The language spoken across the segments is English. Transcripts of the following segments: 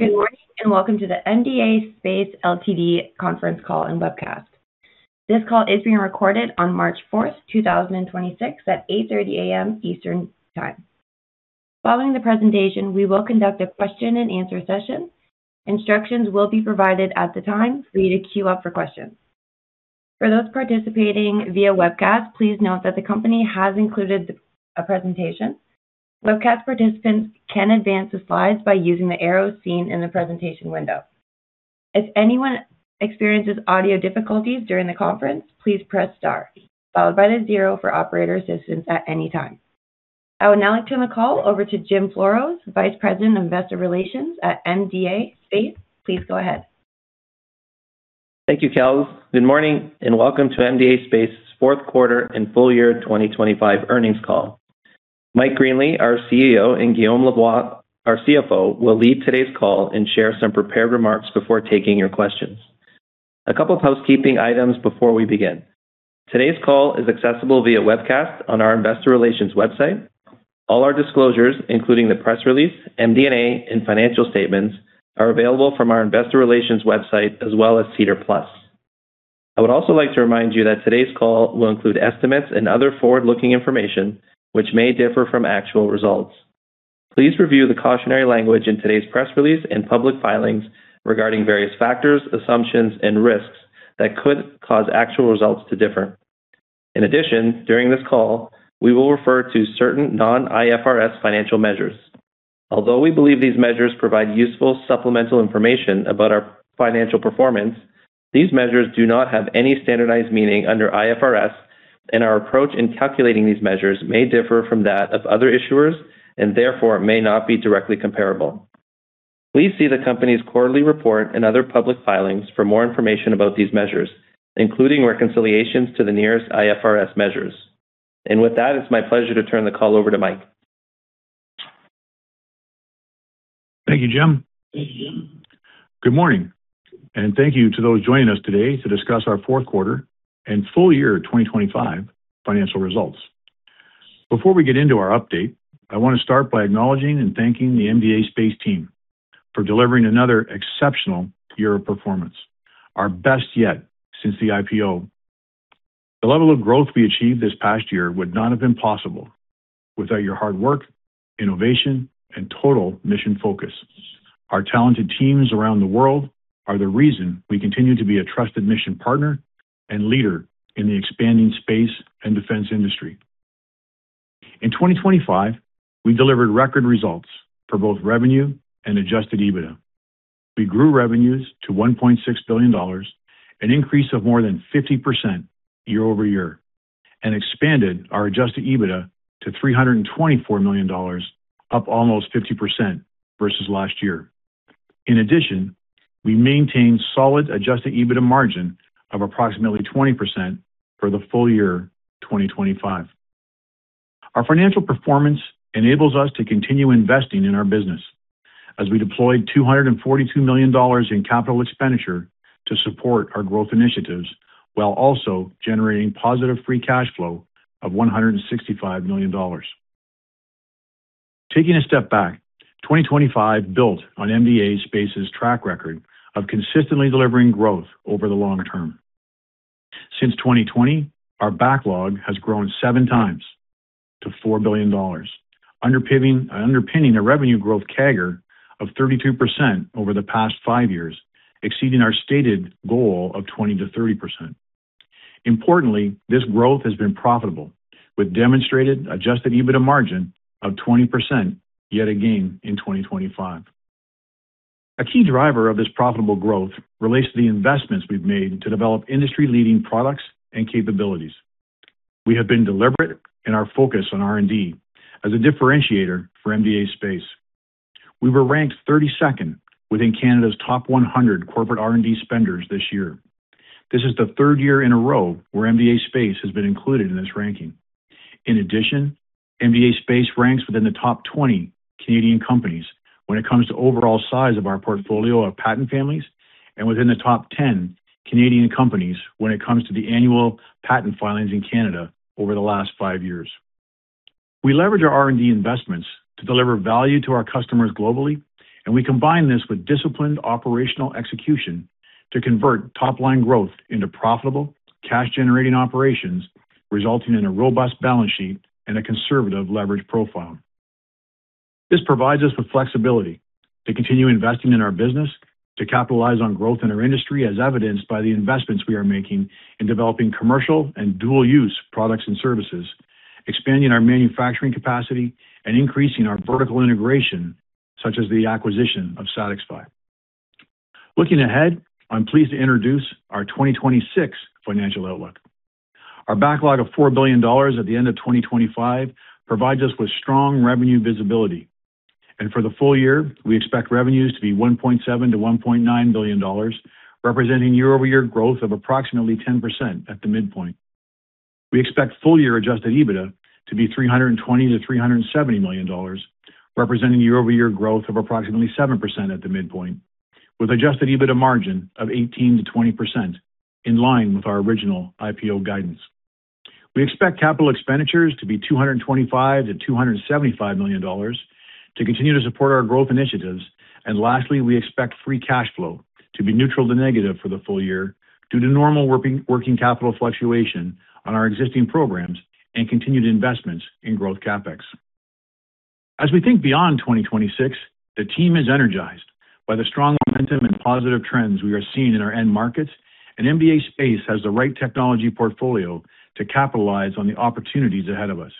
Good morning. Welcome to the MDA Space Ltd. Conference Call and Webcast. This call is being recorded on March 4th, 2026, at 8:30 A.M. Eastern Time. Following the presentation, we will conduct a question and answer session. Instructions will be provided at the time for you to queue up for questions. For those participating via webcast, please note that the company has included a presentation. Webcast participants can advance the slides by using the arrow seen in the presentation window. If anyone experiences audio difficulties during the conference, please press star followed by the zero for operator assistance at any time. I would now like to turn the call over to Jim Floros, Vice President of Investor Relations at MDA Space. Please go ahead. Thank you, Kelly. Good morning and welcome to MDA Space's Fourth Quarter and Full Year 2025 Earnings Call. Mike Greenley, our CEO, and Guillaume Lavoie, our CFO, will lead today's call and share some prepared remarks before taking your questions. A couple of housekeeping items before we begin. Today's call is accessible via webcast on our investor relations website. All our disclosures, including the press release, MD&A, and financial statements, are available from our investor relations website as well as SEDAR+. I would also like to remind you that today's call will include estimates and other forward-looking information which may differ from actual results. Please review the cautionary language in today's press release and public filings regarding various factors, assumptions, and risks that could cause actual results to differ. In addition, during this call, we will refer to certain non-IFRS financial measures. Although we believe these measures provide useful supplemental information about our financial performance, these measures do not have any standardized meaning under IFRS, and our approach in calculating these measures may differ from that of other issuers and therefore may not be directly comparable. Please see the company's quarterly report and other public filings for more information about these measures, including reconciliations to the nearest IFRS measures. With that, it's my pleasure to turn the call over to Mike. Thank you, Jim. Good morning, and thank you to those joining us today to discuss our fourth quarter and full year 2025 financial results. Before we get into our update, I want to start by acknowledging and thanking the MDA Space team for delivering another exceptional year of performance, our best yet since the IPO. The level of growth we achieved this past year would not have been possible without your hard work, innovation, and total mission focus. Our talented teams around the world are the reason we continue to be a trusted mission partner and leader in the expanding space and defense industry. In 2025, we delivered record results for both revenue and Adjusted EBITDA. We grew revenues to $1.6 billion, an increase of more than 50% year-over-year, and expanded our Adjusted EBITDA to $324 million, up almost 50% versus last year. In addition, we maintained solid Adjusted EBITDA margin of approximately 20% for the full year 2025. Our financial performance enables us to continue investing in our business as we deployed $242 million in CapEx to support our growth initiatives while also generating positive free cash flow of $165 million. Taking a step back, 2025 built on MDA Space's track record of consistently delivering growth over the long term. Since 2020, our backlog has grown seven times to 4 billion dollars, underpinning a revenue growth CAGR of 32% over the past five years, exceeding our stated goal of 20%-30%. Importantly, this growth has been profitable with demonstrated Adjusted EBITDA margin of 20% yet again in 2025. A key driver of this profitable growth relates to the investments we've made to develop industry-leading products and capabilities. We have been deliberate in our focus on R&D as a differentiator for MDA Space. We were ranked 32nd within Canada's top 100 corporate R&D spenders this year. This is the 3rd year in a row where MDA Space has been included in this ranking. In addition, MDA Space ranks within the top 20 Canadian companies when it comes to overall size of our portfolio of patent families and within the top 10 Canadian companies when it comes to the annual patent filings in Canada over the last five years. We leverage our R&D investments to deliver value to our customers globally, and we combine this with disciplined operational execution to convert top-line growth into profitable cash-generating operations, resulting in a robust balance sheet and a conservative leverage profile. This provides us with flexibility to continue investing in our business, to capitalize on growth in our industry, as evidenced by the investments we are making in developing commercial and dual use products and services, expanding our manufacturing capacity, and increasing our vertical integration, such as the acquisition of SatixFy. Looking ahead, I'm pleased to introduce our 2026 financial outlook. Our backlog of 4 billion dollars at the end of 2025 provides us with strong revenue visibility. For the full year, we expect revenues to be 1.7 billion-1.9 billion dollars, representing year-over-year growth of approximately 10% at the midpoint. We expect full year Adjusted EBITDA to be 320 million-370 million dollars, representing year-over-year growth of approximately 7% at the midpoint, with Adjusted EBITDA margin of 18%-20%, in line with our original IPO guidance. We expect capital expenditures to be 225 million-275 million dollars to continue to support our growth initiatives. Lastly, we expect free cash flow to be neutral to negative for the full year due to normal working capital fluctuation on our existing programs and continued investments in growth CapEx. As we think beyond 2026, the team is energized by the strong momentum and positive trends we are seeing in our end markets, and MDA Space has the right technology portfolio to capitalize on the opportunities ahead of us.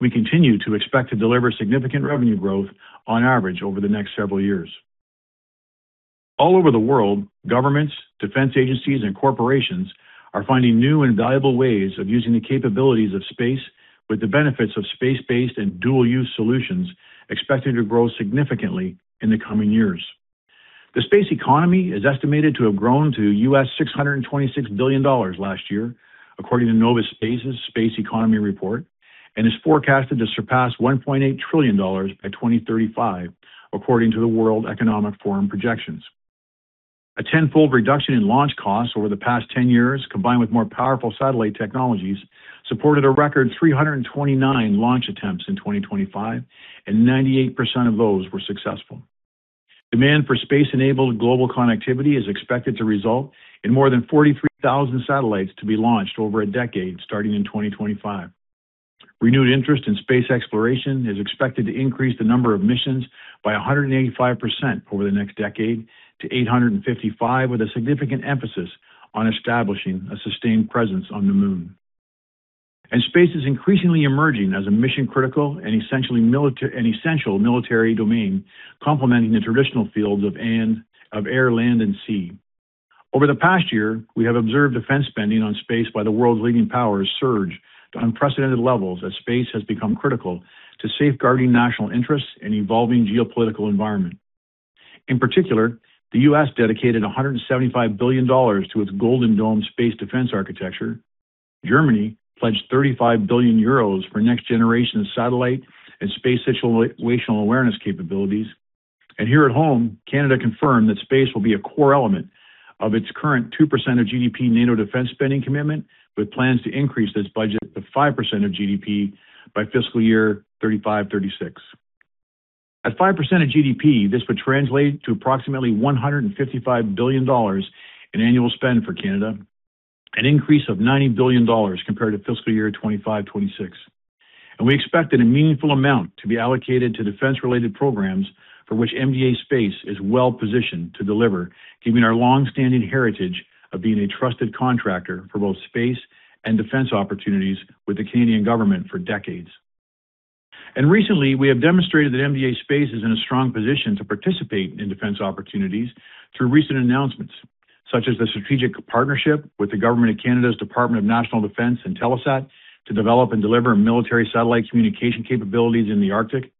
We continue to expect to deliver significant revenue growth on average over the next several years. All over the world, governments, defense agencies, and corporations are finding new and valuable ways of using the capabilities of space with the benefits of space-based and dual-use solutions expected to grow significantly in the coming years. The space economy is estimated to have grown to $626 billion last year, according to Novaspace's Space Economy Report, and is forecasted to surpass $1.8 trillion by 2035, according to the World Economic Forum projections. A tenfold reduction in launch costs over the past 10 years, combined with more powerful satellite technologies, supported a record 329 launch attempts in 2025, and 98% of those were successful. Demand for space-enabled global connectivity is expected to result in more than 43,000 satellites to be launched over a decade starting in 2025. Renewed interest in space exploration is expected to increase the number of missions by 185% over the next decade to 855, with a significant emphasis on establishing a sustained presence on the Moon. Space is increasingly emerging as a mission-critical and essentially an essential military domain, complementing the traditional fields of air, land, and sea. Over the past year, we have observed defense spending on space by the world's leading powers surge to unprecedented levels as space has become critical to safeguarding national interests and evolving geopolitical environment. In particular, the U.S. dedicated $175 billion to its Golden Dome space defense architecture. Germany pledged 35 billion euros for next-generation satellite and space situational awareness capabilities. Here at home, Canada confirmed that space will be a core element of its current 2% of GDP NATO defense spending commitment, with plans to increase this budget to 5% of GDP by fiscal year 2035-2036. At 5% of GDP, this would translate to approximately $155 billion in annual spend for Canada, an increase of $90 billion compared to fiscal year 2025-2026. We expect that a meaningful amount to be allocated to defense-related programs for which MDA Space is well-positioned to deliver, given our long-standing heritage of being a trusted contractor for both space and defense opportunities with the Canadian government for decades. Recently, we have demonstrated that MDA Space is in a strong position to participate in defense opportunities through recent announcements, such as the strategic partnership with the government of Canada's Department of National Defence and Telesat to develop and deliver military satellite communication capabilities in the Arctic,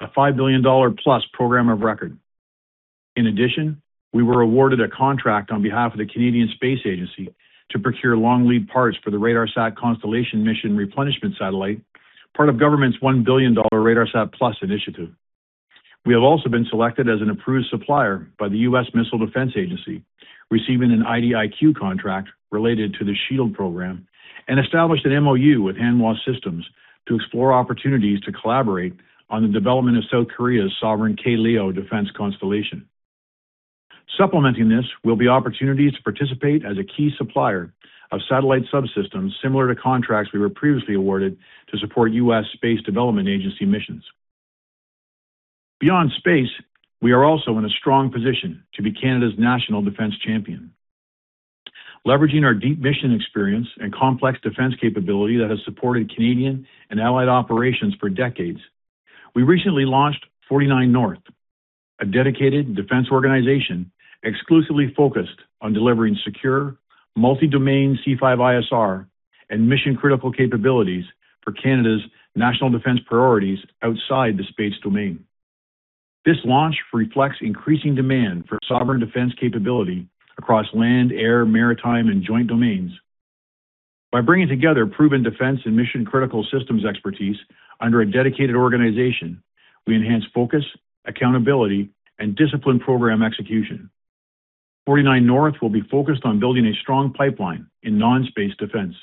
a 5 billion dollar+ program of record. In addition, we were awarded a contract on behalf of the Canadian Space Agency to procure long-lead parts for the RADARSAT Constellation Mission replenishment satellite, part of government's 1 billion dollar RADARSAT+ initiative. We have also been selected as an approved supplier by the U.S. Missile Defense Agency, receiving an IDIQ contract related to the SHIELD program and established an MoU with Hanwha Systems to explore opportunities to collaborate on the development of South Korea's sovereign K-LEO defense constellation. Supplementing this will be opportunities to participate as a key supplier of satellite subsystems similar to contracts we were previously awarded to support U.S. Space Development Agency missions. Beyond space, we are also in a strong position to be Canada's national defense champion. Leveraging our deep mission experience and complex defense capability that has supported Canadian and Allied operations for decades, we recently launched 49th North, a dedicated defense organization exclusively focused on delivering secure multi-domain C5ISR and mission-critical capabilities for Canada's national defense priorities outside the space domain. This launch reflects increasing demand for sovereign defense capability across land, air, maritime, and joint domains. By bringing together proven defense and mission-critical systems expertise under a dedicated organization, we enhance focus, accountability, and discipline program execution. 49th North will be focused on building a strong pipeline in non-space defense,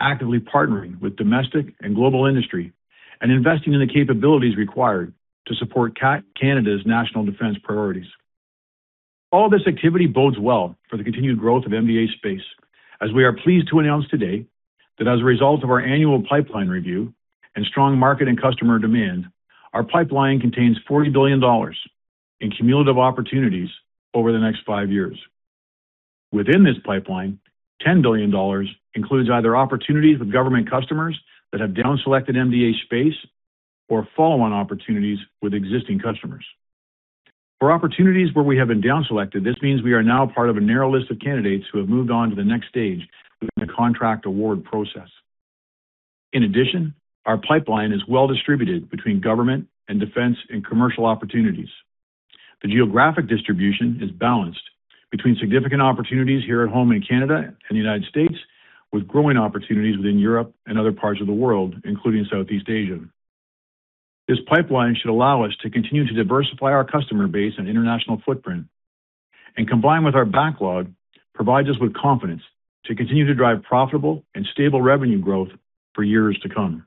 actively partnering with domestic and global industry and investing in the capabilities required to support Canada's national defense priorities. All this activity bodes well for the continued growth of MDA Space, as we are pleased to announce today that as a result of our annual pipeline review and strong market and customer demand, our pipeline contains 40 billion dollars in cumulative opportunities over the next 5 years. Within this pipeline, 10 billion dollars includes either opportunities with government customers that have downselected MDA Space or follow-on opportunities with existing customers. For opportunities where we have been downselected, this means we are now part of a narrow list of candidates who have moved on to the next stage within the contract award process. In addition, our pipeline is well-distributed between government and defense and commercial opportunities. The geographic distribution is balanced between significant opportunities here at home in Canada and the United States, with growing opportunities within Europe and other parts of the world, including Southeast Asia. This pipeline should allow us to continue to diversify our customer base and international footprint, and combined with our backlog, provides us with confidence to continue to drive profitable and stable revenue growth for years to come.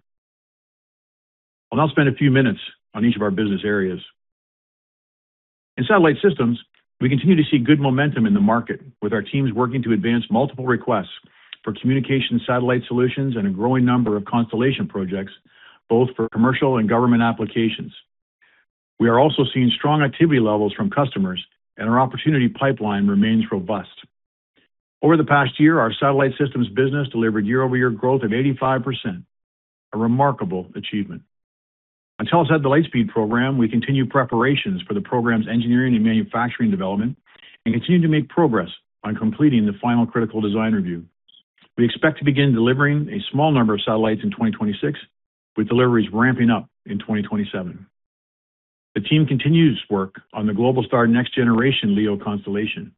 I'll now spend a few minutes on each of our business areas. In satellite systems, we continue to see good momentum in the market with our teams working to advance multiple requests for communication satellite solutions and a growing number of constellation projects, both for commercial and government applications. We are also seeing strong activity levels from customers, and our opportunity pipeline remains robust. Over the past year, our satellite systems business delivered year-over-year growth of 85%, a remarkable achievement. On Telesat Lightspeed program, we continue preparations for the program's engineering and manufacturing development and continue to make progress on completing the final Critical Design Review. We expect to begin delivering a small number of satellites in 2026, with deliveries ramping up in 2027. The team continues work on the Globalstar next generation LEO constellation.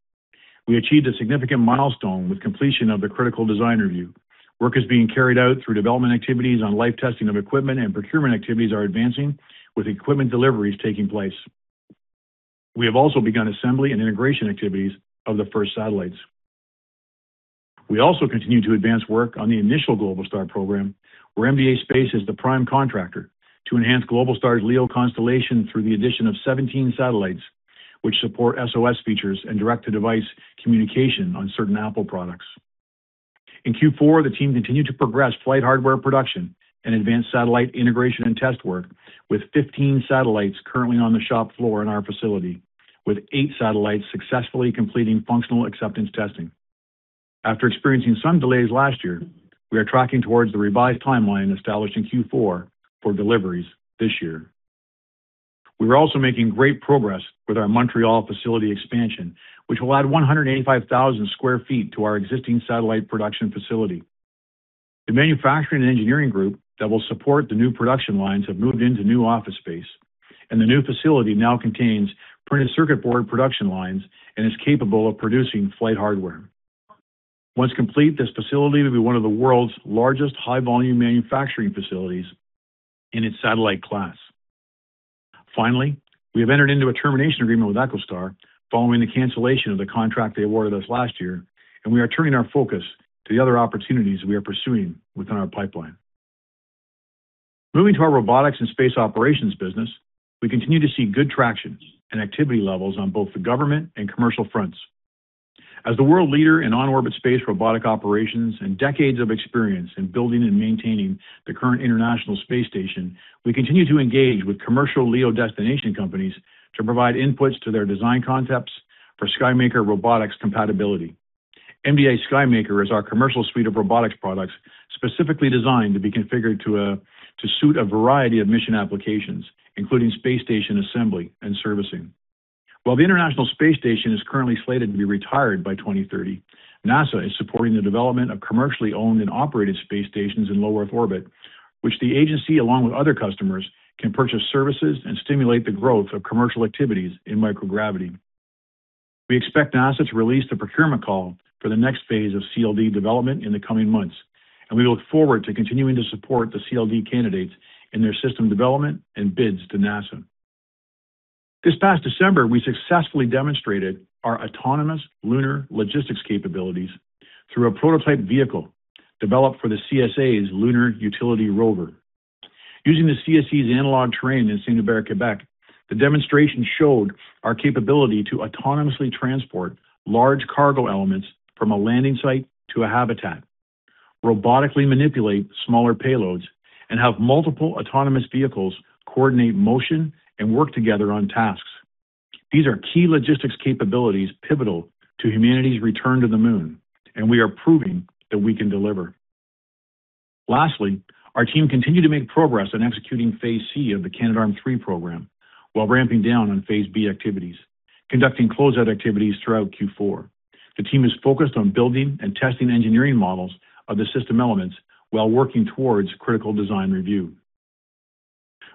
We achieved a significant milestone with completion of the Critical Design Review. Work is being carried out through development activities on life testing of equipment and procurement activities are advancing with equipment deliveries taking place. We have also begun assembly and integration activities of the first satellites. We also continue to advance work on the initial Globalstar program, where MDA Space is the prime contractor to enhance Globalstar's LEO constellation through the addition of 17 satellites, which support SOS features and direct-to-device communication on certain Apple products. In Q4, the team continued to progress flight hardware production and advanced satellite integration and test work with 15 satellites currently on the shop floor in our facility, with eight satellites successfully completing functional acceptance testing. After experiencing some delays last year, we are tracking towards the revised timeline established in Q4 for deliveries this year. We're also making great progress with our Montreal facility expansion, which will add 185,000 square feet to our existing satellite production facility. The manufacturing and engineering group that will support the new production lines have moved into new office space, and the new facility now contains printed circuit board production lines and is capable of producing flight hardware. Once complete, this facility will be one of the world's largest high-volume manufacturing facilities in its satellite class. We have entered into a termination agreement with EchoStar following the cancellation of the contract they awarded us last year, and we are turning our focus to the other opportunities we are pursuing within our pipeline. Moving to our robotics and space operations business, we continue to see good tractions and activity levels on both the government and commercial fronts. As the world leader in on-orbit space robotic operations and decades of experience in building and maintaining the current International Space Station, we continue to engage with commercial LEO destination companies to provide inputs to their design concepts for SkyMaker robotics compatibility. MDA SKYMAKER is our commercial suite of robotics products specifically designed to be configured to suit a variety of mission applications, including space station assembly and servicing. While the International Space Station is currently slated to be retired by 2030, NASA is supporting the development of commercially owned and operated space stations in low Earth orbit, which the agency, along with other customers, can purchase services and stimulate the growth of commercial activities in microgravity. We expect NASA to release the procurement call for the next phase of CLD development in the coming months. We look forward to continuing to support the CLD candidates in their system development and bids to NASA. This past December, we successfully demonstrated our autonomous lunar logistics capabilities through a prototype vehicle developed for the CSA's Lunar Utility Rover. Using the CSA's analog terrain in Saint-Hubert, Quebec, the demonstration showed our capability to autonomously transport large cargo elements from a landing site to a habitat, robotically manipulate smaller payloads, and have multiple autonomous vehicles coordinate motion and work together on tasks. These are key logistics capabilities pivotal to humanity's return to the Moon. We are proving that we can deliver. Lastly, our team continued to make progress on executing Phase C of the Canadarm3 program while ramping down on Phase B activities, conducting closeout activities throughout Q4. The team is focused on building and testing engineering models of the system elements while working towards critical design review.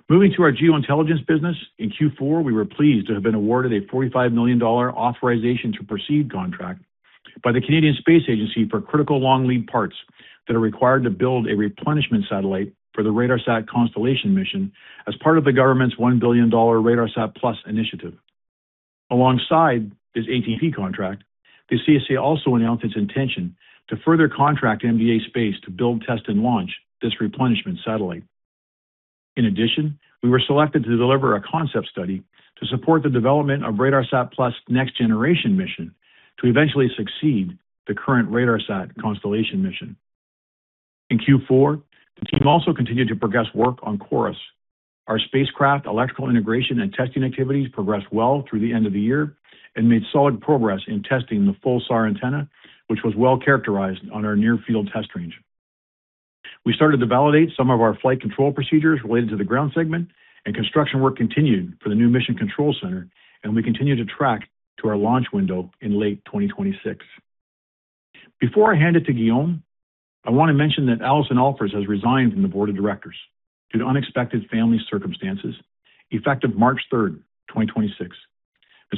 Moving to our Geointelligence business, in Q4, we were pleased to have been awarded a 45 million dollar authorization to proceed contract by the Canadian Space Agency for critical long lead parts that are required to build a replenishment satellite for the RADARSAT Constellation Mission as part of the government's 1 billion dollar RADARSAT+ initiative. Alongside this ATP contract, the CSA also announced its intention to further contract MDA Space to build, test and launch this replenishment satellite. We were selected to deliver a concept study to support the development of RADARSAT+'s next generation mission to eventually succeed the current RADARSAT Constellation Mission. Q4, the team also continued to progress work on CHORUS. Our spacecraft electrical integration and testing activities progressed well through the end of the year and made solid progress in testing the full SAR antenna, which was well-characterized on our near-field test range. We started to validate some of our flight control procedures related to the ground segment, and construction work continued for the new Mission Control Center, and we continue to track to our launch window in late 2026. Before I hand it to Guillaume, I want to mention that Alison Alfers has resigned from the board of directors due to unexpected family circumstances, effective March third, 2026.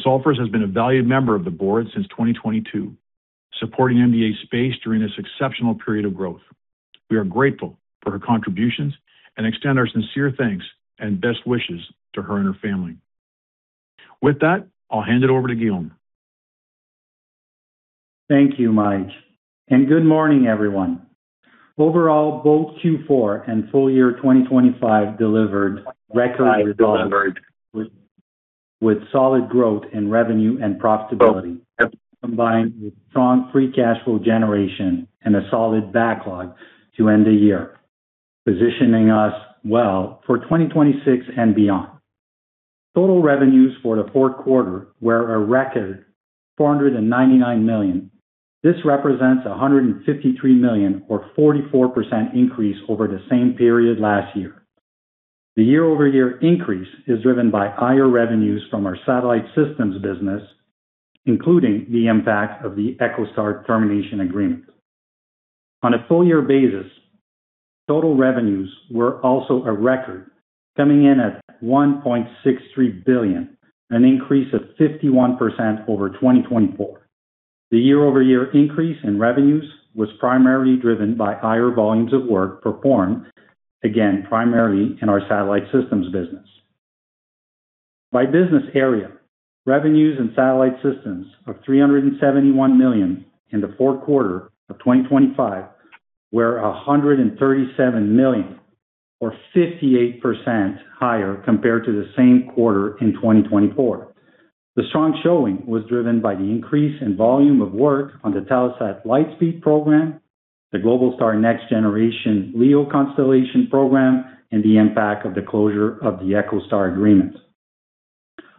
Alfers has been a valued member of the board since 2022, supporting MDA Space during this exceptional period of growth. We are grateful for her contributions and extend our sincere thanks and best wishes to her and her family. With that, I'll hand it over to Guillaume. Thank you, Mike. Good morning, everyone. Overall, both Q4 and full year 2025 delivered record results with solid growth in revenue and profitability, combined with strong free cash flow generation and a solid backlog to end the year, positioning us well for 2026 and beyond. Total revenues for the fourth quarter were a record 499 million. This represents a 153 million or 44% increase over the same period last year. The year-over-year increase is driven by higher revenues from our satellite systems business, including the impact of the EchoStar termination agreement. On a full year basis, total revenues were also a record, coming in at 1.63 billion, an increase of 51% over 2024. The year-over-year increase in revenues was primarily driven by higher volumes of work performed, again, primarily in our satellite systems business. By business area, revenues in satellite systems of 371 million in the fourth quarter of 2025 were 137 million or 58% higher compared to the same quarter in 2024. The strong showing was driven by the increase in volume of work on the Telesat Lightspeed program, the Globalstar next generation LEO Constellation program, and the impact of the closure of the EchoStar agreement.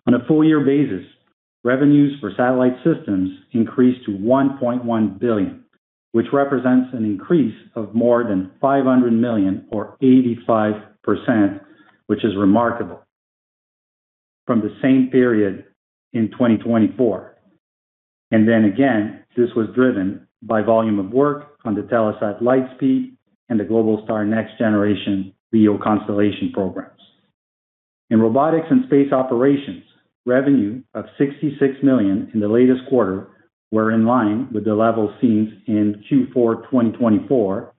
On a full year basis, revenues for satellite systems increased to 1.1 billion, which represents an increase of more than 500 million or 85%, which is remarkable from the same period in 2024. Again, this was driven by volume of work on the Telesat Lightspeed and the Globalstar next generation LEO Constellation programs. In robotics and space operations, revenue of 66 million in the latest quarter were in line with the level seen in Q4 2024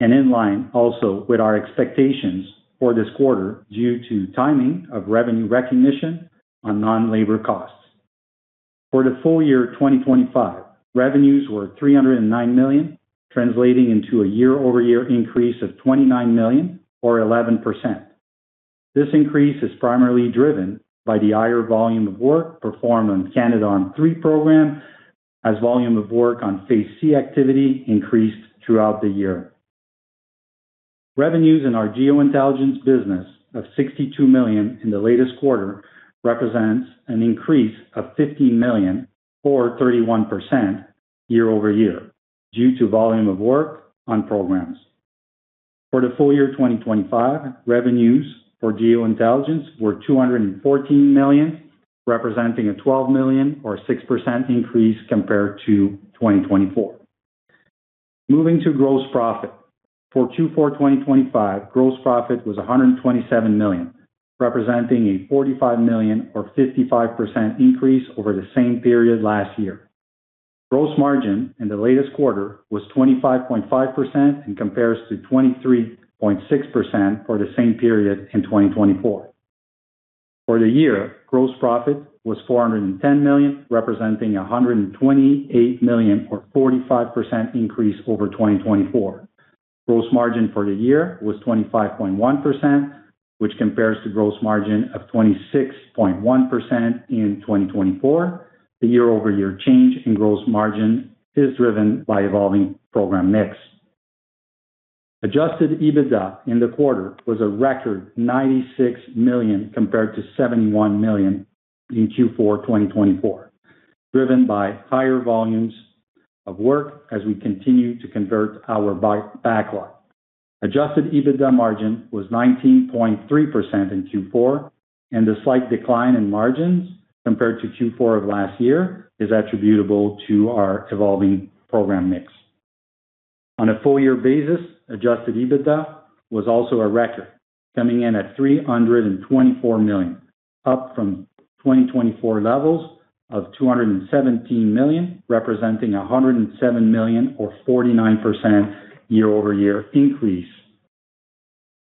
and in line also with our expectations for this quarter due to timing of revenue recognition on non-labor costs. For the full year 2025, revenues were CAD 309 million, translating into a year-over-year increase of CAD 29 million or 11%. This increase is primarily driven by the higher volume of work performed on Canadarm3 program as volume of work on Phase C activity increased throughout the year. Revenues in our Geo Intelligence business of 62 million in the latest quarter represents an increase of 15 million or 31% year-over-year due to volume of work on programs. For the full year 2025, revenues for Geo Intelligence were 214 million, representing a 12 million or 6% increase compared to 2024. Moving to gross profit. For Q4 2025, gross profit was 127 million, representing a 45 million or 55% increase over the same period last year. Gross margin in the latest quarter was 25.5% and compares to 23.6% for the same period in 2024. For the year, gross profit was 410 million, representing a 128 million or 45% increase over 2024. Gross margin for the year was 25.1%, which compares to gross margin of 26.1% in 2024. The year-over-year change in gross margin is driven by evolving program mix. Adjusted EBITDA in the quarter was a record 96 million, compared to 71 million in Q4 2024, driven by higher volumes of work as we continue to convert our backlog. Adjusted EBITDA margin was 19.3% in Q4, the slight decline in margins compared to Q4 of last year is attributable to our evolving program mix. On a full year basis, Adjusted EBITDA was also a record, coming in at 324 million, up from 2024 levels of 217 million, representing a 107 million or 49% year-over-year increase.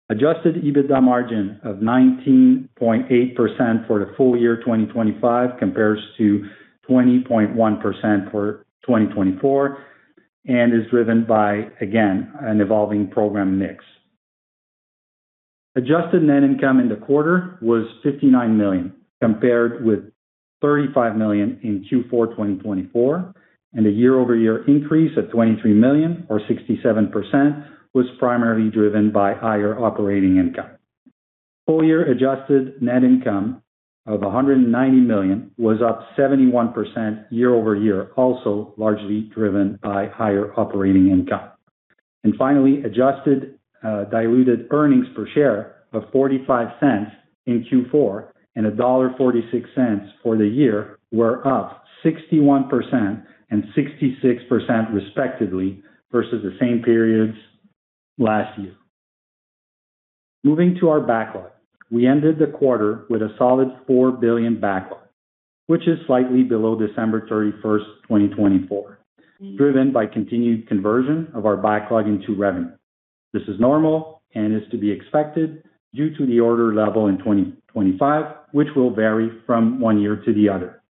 Adjusted EBITDA margin of 19.8% for the full year 2025 compares to 20.1% for 2024 and is driven by, again, an evolving program mix. Adjusted net income in the quarter was 59 million, compared with 35 million in Q4 2024, a year-over-year increase of 23 million or 67% was primarily driven by higher operating income. Full year Adjusted net income of 190 million was up 71% year-over-year, also largely driven by higher operating income. Finally, adjusted diluted earnings per share of 0.45 in Q4 and dollar 1.46 for the year were up 61% and 66% respectively versus the same periods last year. Moving to our backlog. We ended the quarter with a solid 4 billion backlog, which is slightly below December 31, 2024, driven by continued conversion of our backlog into revenue. This is normal and is to be expected due to the order level in 2025, which will vary from one year to the other.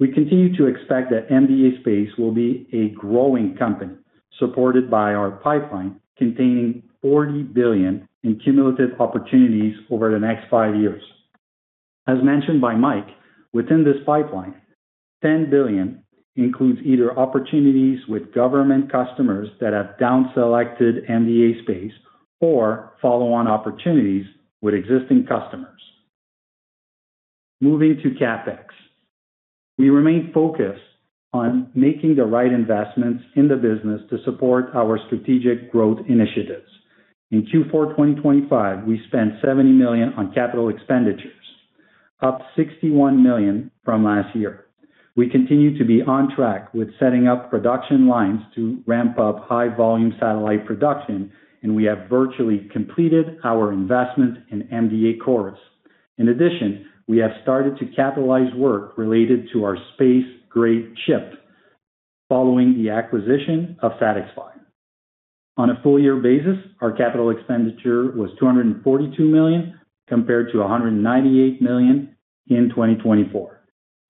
We continue to expect that MDA Space will be a growing company, supported by our pipeline containing 40 billion in cumulative opportunities over the next 5 years. As mentioned by Mike, within this pipeline, 10 billion includes either opportunities with government customers that have downselected MDA Space or follow-on opportunities with existing customers. Moving to CapEx. We remain focused on making the right investments in the business to support our strategic growth initiatives. In Q4 2025, we spent 70 million on capital expenditures, up 61 million from last year. We continue to be on track with setting up production lines to ramp up high volume satellite production, and we have virtually completed our investment in MDA CHORUS. In addition, we have started to capitalize work related to our space-grade chip following the acquisition of SatixFy. On a full year basis, our capital expenditure was 242 million, compared to 198 million in 2024.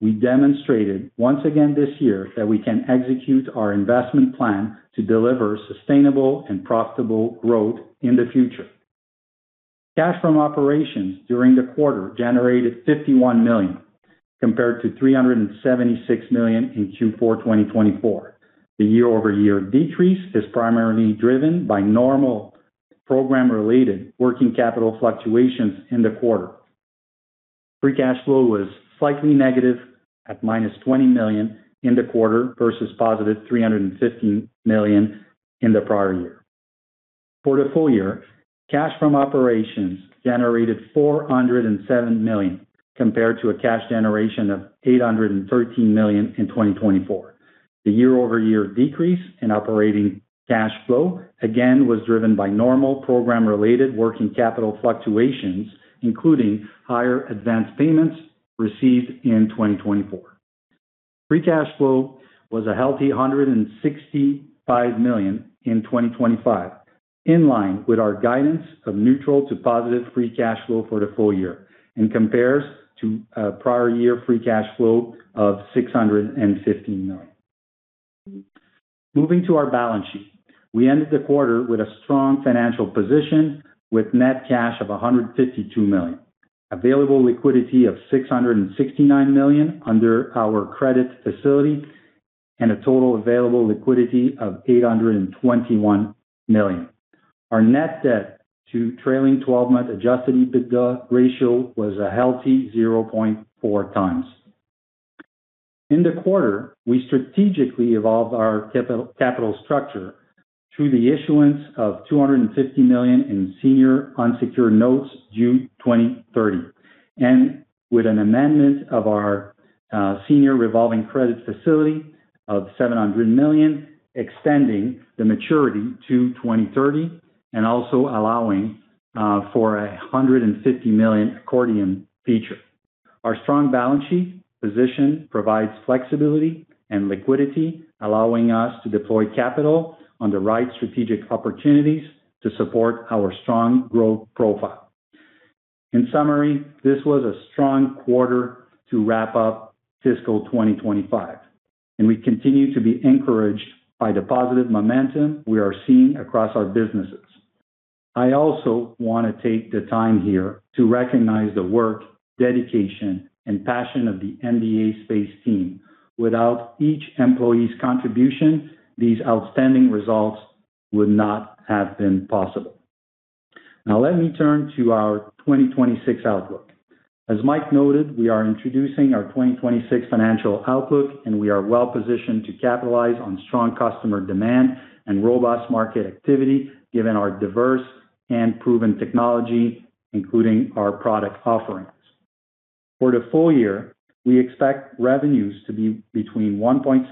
We demonstrated once again this year that we can execute our investment plan to deliver sustainable and profitable growth in the future. Cash from operations during the quarter generated 51 million, compared to 376 million in Q4 2024. The year-over-year decrease is primarily driven by normal program-related working capital fluctuations in the quarter. Free cash flow was slightly negative at -20 million in the quarter versus +315 million in the prior year. For the full year, cash from operations generated 407 million, compared to a cash generation of 813 million in 2024. The year-over-year decrease in operating cash flow again was driven by normal program-related working capital fluctuations, including higher advanced payments received in 2024. Free cash flow was a healthy 165 million in 2025, in line with our guidance of neutral to positive free cash flow for the full year and compares to prior year free cash flow of 615 million. Moving to our balance sheet. We ended the quarter with a strong financial position with net cash of 152 million, available liquidity of 669 million under our credit facility, and a total available liquidity of 821 million. Our net debt to trailing twelve-month Adjusted EBITDA ratio was a healthy 0.4 times. In the quarter, we strategically evolved our capital structure through the issuance of 250 million in senior unsecured notes due 2030 and with an amendment of our senior revolving credit facility of 700 million, extending the maturity to 2030 and also allowing for a 150 million accordion feature. Our strong balance sheet position provides flexibility and liquidity, allowing us to deploy capital on the right strategic opportunities to support our strong growth profile. In summary, this was a strong quarter to wrap up fiscal 2025, and we continue to be encouraged by the positive momentum we are seeing across our businesses. I also wanna take the time here to recognize the work, dedication, and passion of the MDA Space team. Without each employee's contribution, these outstanding results would not have been possible. Let me turn to our 2026 outlook. As Mike noted, we are introducing our 2026 financial outlook, we are well-positioned to capitalize on strong customer demand and robust market activity given our diverse and proven technology, including our product offerings. For the full year, we expect revenues to be between 1.7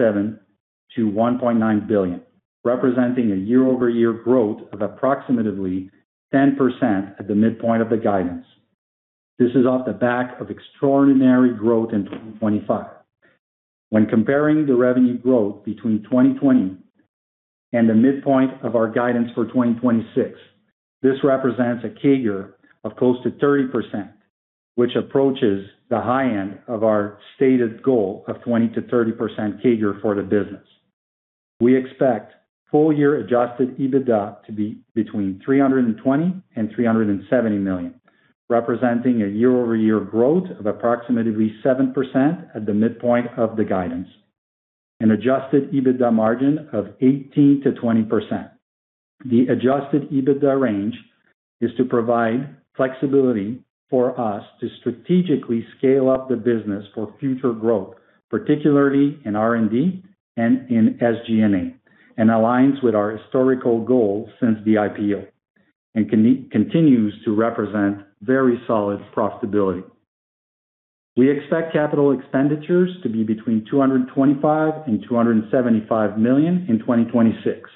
billion-1.9 billion, representing a year-over-year growth of approximately 10% at the midpoint of the guidance. This is off the back of extraordinary growth in 2025. Comparing the revenue growth between 2020 and the midpoint of our guidance for 2026, this represents a CAGR of close to 30%, which approaches the high end of our stated goal of 20%-30% CAGR for the business. We expect full year Adjusted EBITDA to be between 320 million and 370 million, representing a year-over-year growth of approximately 7% at the midpoint of the guidance, an Adjusted EBITDA margin of 18%-20%. The Adjusted EBITDA range is to provide flexibility for us to strategically scale up the business for future growth, particularly in R&D and in SG&A, and aligns with our historical goals since the IPO and continues to represent very solid profitability. We expect CapEx to be between 225 million and 275 million in 2026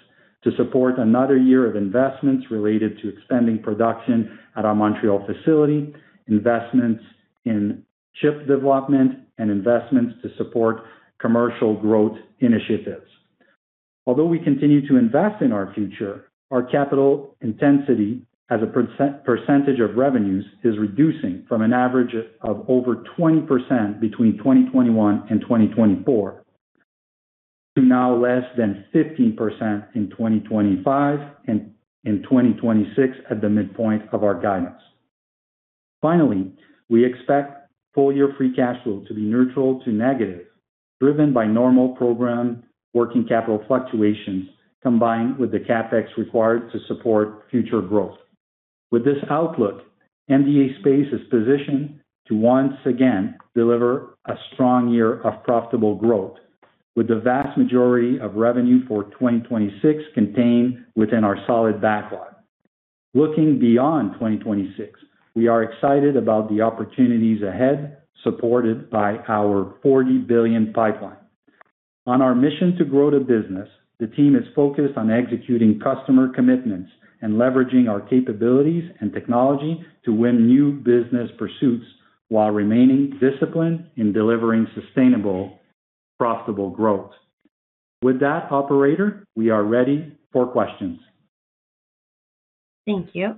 to support another year of investments related to expanding production at our Montreal facility, investments in chip development, and investments to support commercial growth initiatives. Although we continue to invest in our future, our capital intensity as a percentage of revenues is reducing from an average of over 20% between 2021 and 2024 to now less than 15% in 2025 and in 2026 at the midpoint of our guidance. Finally, we expect full-year free cash flow to be neutral to negative, driven by normal program working capital fluctuations combined with the CapEx required to support future growth. With this outlook, MDA Space is positioned to once again deliver a strong year of profitable growth with the vast majority of revenue for 2026 contained within our solid backlog. Looking beyond 2026, we are excited about the opportunities ahead, supported by our 40 billion pipeline. On our mission to grow the business, the team is focused on executing customer commitments and leveraging our capabilities and technology to win new business pursuits while remaining disciplined in delivering sustainable, profitable growth. With that, operator, we are ready for questions. Thank you.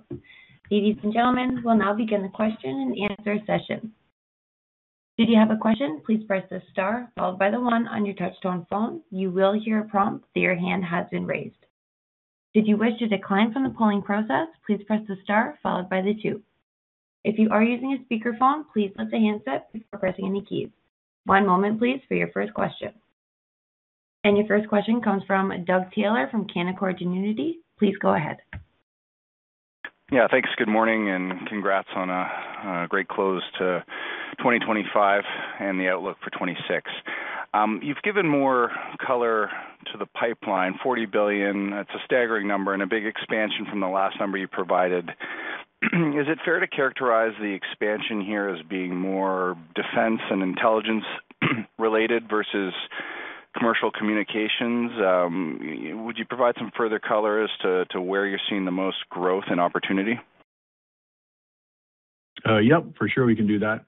Ladies and gentlemen, we'll now begin the question and answer session. If you have a question, please press the star followed by the one on your touch-tone phone. You will hear a prompt that your hand has been raised. If you wish to decline from the polling process, please press the star followed by the two. If you are using a speakerphone, please let the handset before pressing any keys. One moment please for your first question. Your first question comes from Doug Taylor from Canaccord Genuity. Please go ahead. Yeah, thanks. Good morning, and congrats on a great close to 2025 and the outlook for 2026. You've given more color to the pipeline. 40 billion, that's a staggering number and a big expansion from the last number you provided. Is it fair to characterize the expansion here as being more defense and intelligence related versus commercial communications? Would you provide some further color as to where you're seeing the most growth and opportunity? Yep, for sure we can do that.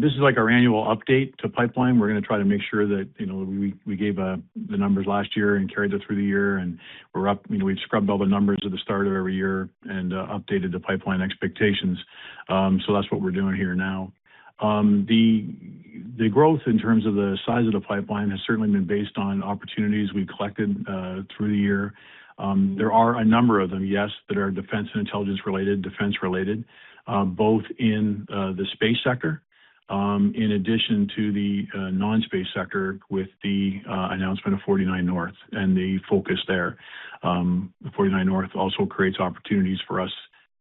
This is like our annual update to pipeline. We're gonna try to make sure that we gave the numbers last year and carried it through the year, and we're up. We've scrubbed all the numbers at the start of every year and updated the pipeline expectations. That's what we're doing here now. The growth in terms of the size of the pipeline has certainly been based on opportunities we collected through the year. There are a number of them, yes, that are defense and intelligence-related, both in the space sector, in addition to the non-space sector with the announcement of 49th North and the focus there. The 49th North also creates opportunities for us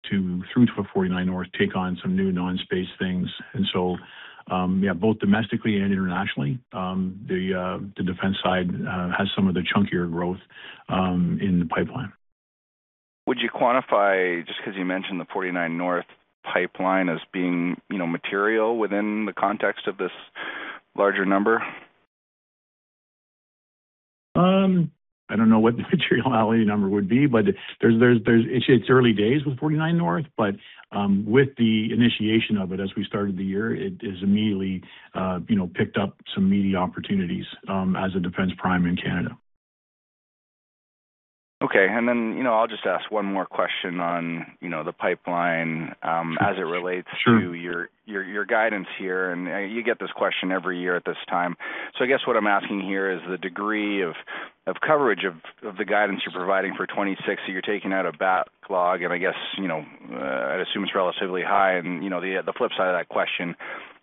to, through to a 49th North, take on some new non-space things. Yeah, both domestically and internationally, the defense side has some of the chunkier growth in the pipeline. Would you quantify, just 'cause you mentioned the 49th North pipeline as being, you know, material within the context of this larger number? I don't know what the materiality number would be, but it's early days with 49th North, but with the initiation of it as we started the year, it has immediately picked up some meaty opportunities as a defense prime in Canada. Okay. you know, I'll just ask one more question on, you know, the pipeline. Sure. -to your guidance here, and you get this question every year at this time. I guess what I'm asking here is the degree of coverage of the guidance you're providing for 2026 that you're taking out of backlog, and I guess, you know, I'd assume it's relatively high? You know, the flip side of that question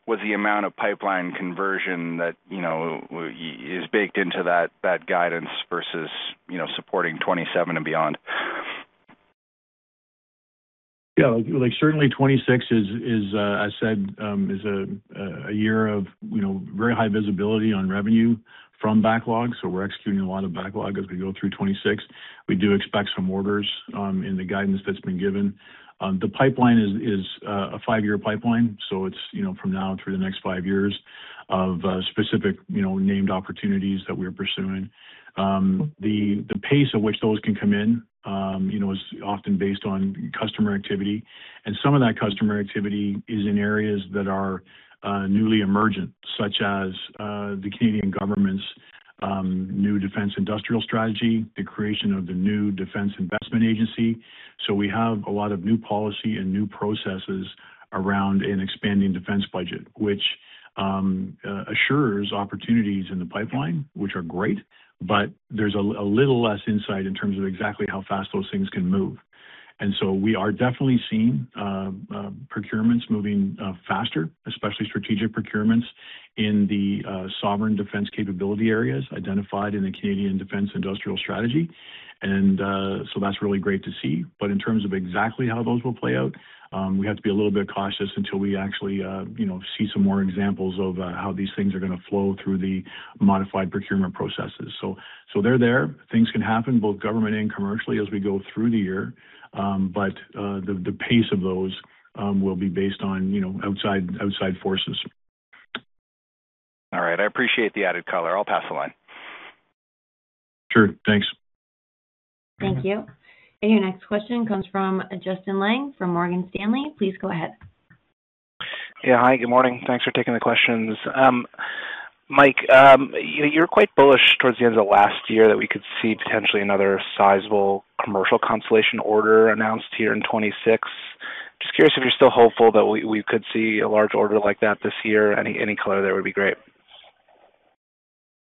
was the amount of pipeline conversion that, you know, is baked into that guidance versus, you know, supporting 2027 and beyond? Yeah. Like, certainly 26 is, I said, is a year of, you know, very high visibility on revenue from backlog, so we're executing a lot of backlog as we go through 26. We do expect some orders in the guidance that's been given. The pipeline is a 5-year pipeline, so it's, you know, from now through the next five years of specific, you know, named opportunities that we're pursuing. The pace at which those can come in, you know, is often based on customer activity, and some of that customer activity is in areas that are newly emergent, such as the Canadian government's new Canadian Defence Industrial Strategy, the creation of the new Defence Investment Agency. We have a lot of new policy and new processes around an expanding defense budget, which assures opportunities in the pipeline, which are great, but there's a little less insight in terms of exactly how fast those things can move. We are definitely seeing procurements moving faster, especially strategic procurements in the sovereign defense capability areas identified in the Canadian Defence Industrial Strategy. That's really great to see. In terms of exactly how those will play out, we have to be a little bit cautious until we actually, you know, see some more examples of how these things are gonna flow through the modified procurement processes. They're there. Things can happen both government and commercially as we go through the year. The pace of those will be based on, you know, outside forces. All right. I appreciate the added color. I'll pass the line. Sure. Thanks. Thank you. Your next question comes from Justin Lang from Morgan Stanley. Please go ahead. Yeah. Hi, good morning. Thanks for taking the questions. Mike, you know, you're quite bullish towards the end of last year that we could see potentially another sizable commercial constellation order announced here in 2026. Just curious if you're still hopeful that we could see a large order like that this year. Any color there would be great.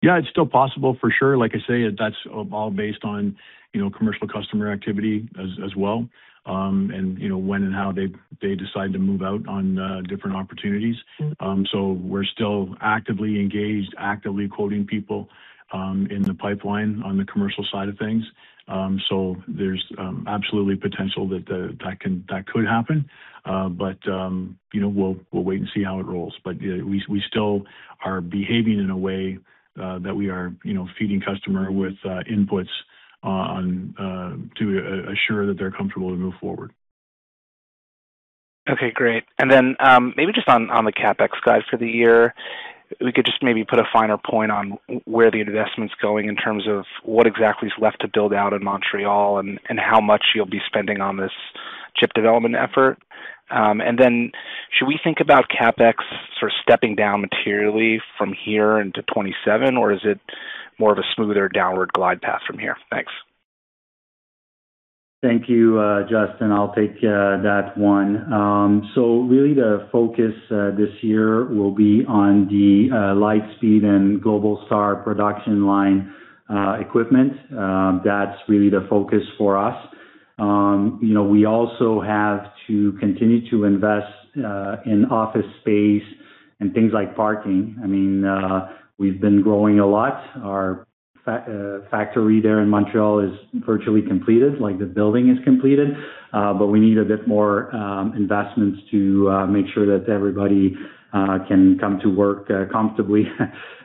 Yeah, it's still possible for sure. Like I say, that's all based on, you know, commercial customer activity as well. You know, when and how they decide to move out on different opportunities. We're still actively engaged, actively quoting people in the pipeline on the commercial side of things. There's absolutely potential that could happen. You know, we'll wait and see how it rolls. Yeah, we still are behaving in a way that we are, you know, feeding customer with inputs on to assure that they're comfortable to move forward. Okay, great. Maybe just on the CapEx guide for the year, we could just maybe put a finer point on where the investment's going in terms of what exactly is left to build out in Montreal and how much you'll be spending on this chip development effort. Should we think about CapEx sort of stepping down materially from here into 2027, or is it more of a smoother downward glide path from here? Thanks. Thank you, Justin. I'll take that one. Really the focus this year will be on the Lightspeed and Globalstar production line equipment. That's really the focus for us. You know, we also have to continue to invest in office space and things like parking. I mean, we've been growing a lot. Our factory there in Montreal is virtually completed, like the building is completed. We need a bit more investments to make sure that everybody can come to work comfortably.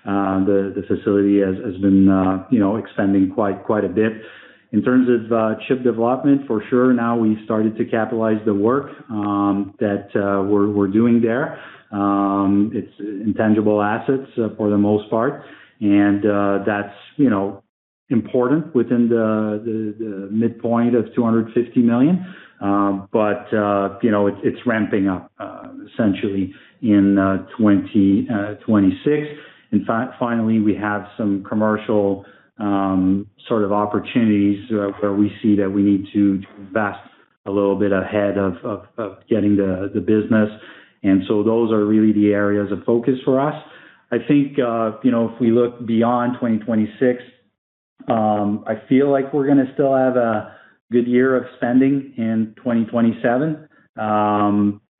The facility has been, you know, expanding quite a bit. In terms of chip development, for sure now we started to capitalize the work that we're doing there. It's intangible assets for the most part, and, you know, that's important within the midpoint of 250 million. You know, it's ramping up essentially in 2026. Finally, we have some commercial sort of opportunities where we see that we need to invest a little bit ahead of getting the business. Those are really the areas of focus for us. I think, you know, if we look beyond 2026, I feel like we're gonna still have a good year of spending in 2027.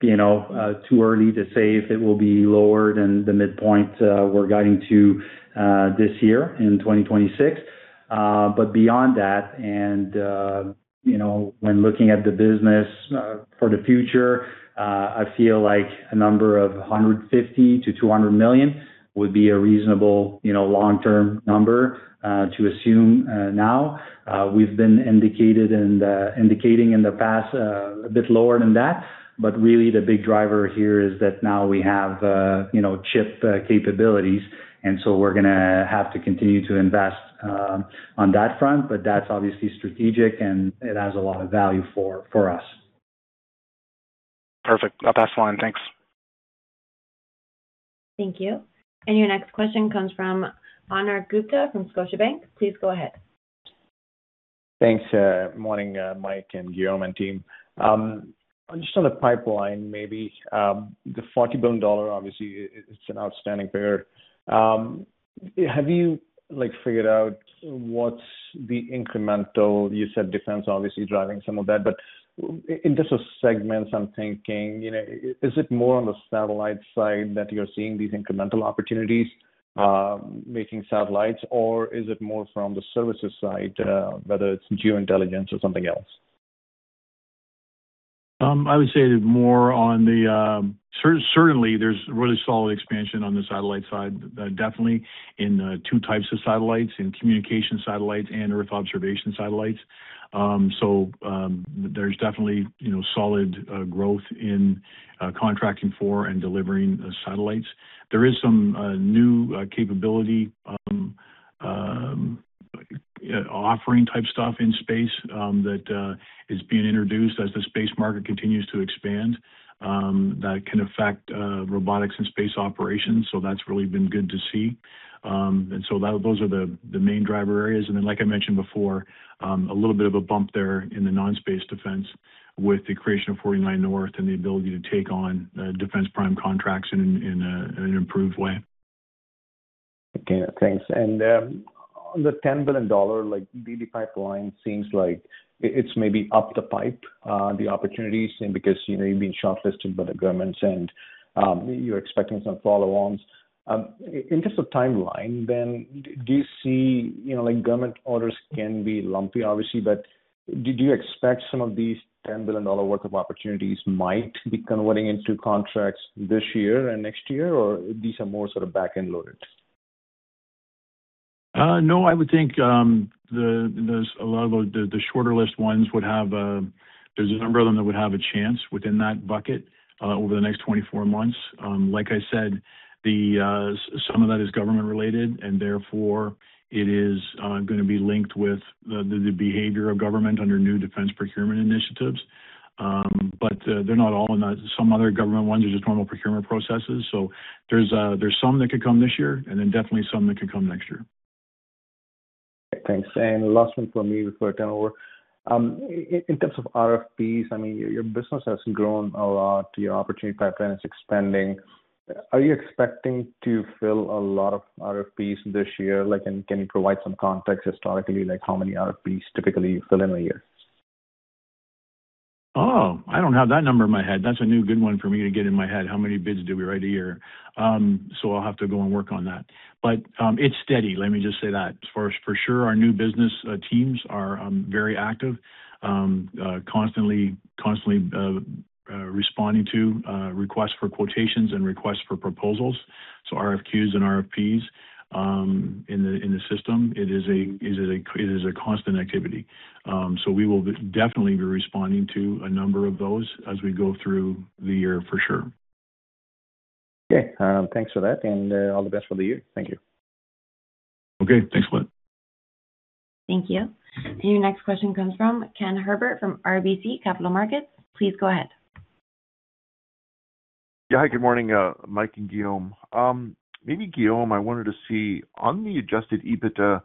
You know, too early to say if it will be lower than the midpoint we're guiding to this year in 2026. Beyond that, you know, when looking at the business for the future, I feel like a number of 150 million-200 million would be a reasonable, you know, long-term number to assume now. We've been indicating in the past a bit lower than that, really the big driver here is that now we have, you know, chip capabilities, we're gonna have to continue to invest on that front. That's obviously strategic, and it has a lot of value for us. Perfect. I'll pass the line. Thanks. Thank you. Your next question comes from Anil Gupta from Scotiabank. Please go ahead. Thanks. Morning, Mike and Guillaume and team. Just on the pipeline maybe, the 40 billion dollar is an outstanding figure. Have you, like, figured out what's the incremental, you said defense obviously driving some of that, but in terms of segments, I'm thinking, you know, is it more on the satellite side that you're seeing these incremental opportunities, making satellites, or is it more from the services side, whether it's Geointelligence or something else? I would say more on the, certainly there's really solid expansion on the satellite side, definitely in 2 types of satellites, in communication satellites and earth observation satellites. There's definitely, you know, solid growth in contracting for and delivering the satellites. There is some new capability offering type stuff in space that is being introduced as the space market continues to expand that can affect robotics and space operations. That's really been good to see. Those are the main driver areas. Like I mentioned before, a little bit of a bump there in the non-space defense with the creation of 49th North and the ability to take on defense prime contracts in an improved way. Okay. Thanks. The 10 billion dollar, like, DD pipeline seems like it's maybe up the pipe, the opportunities and because, you know, you've been shortlisted by the governments and, you're expecting some follow-ons. In terms of timeline then, do you see, you know, like government orders can be lumpy obviously, but do you expect some of these 10 billion dollar worth of opportunities might be converting into contracts this year and next year, or these are more sort of back-end loaded? No, I would think, a lot of the shorter list ones. There's a number of them that would have a chance within that bucket over the next 24 months. Like I said, some of that is government related, and therefore it is gonna be linked with the behavior of government under new defense procurement initiatives. They're not all. Some other government ones are just normal procurement processes. There's some that could come this year, definitely some that could come next year. Thanks. Last one from me before I turn over. In terms of RFPs, I mean, your business has grown a lot. Your opportunity pipeline is expanding. Are you expecting to fill a lot of RFPs this year? Like, can you provide some context historically, like how many RFPs typically you fill in a year? I don't have that number in my head. That's a new good one for me to get in my head. How many bids do we write a year? I'll have to go and work on that. It's steady, let me just say that. As far as for sure, our new business teams are very active, constantly responding to requests for quotations and requests for proposals. RFQs and RFPs, in the system, it is a constant activity. We will definitely be responding to a number of those as we go through the year for sure. Okay. Thanks for that and all the best for the year. Thank you. Okay. Thanks, Anil. Thank you. Your next question comes from Ken Herbert from RBC Capital Markets. Please go ahead. Hi, good morning, Mike and Guillaume. Maybe Guillaume, I wanted to see on the Adjusted EBITDA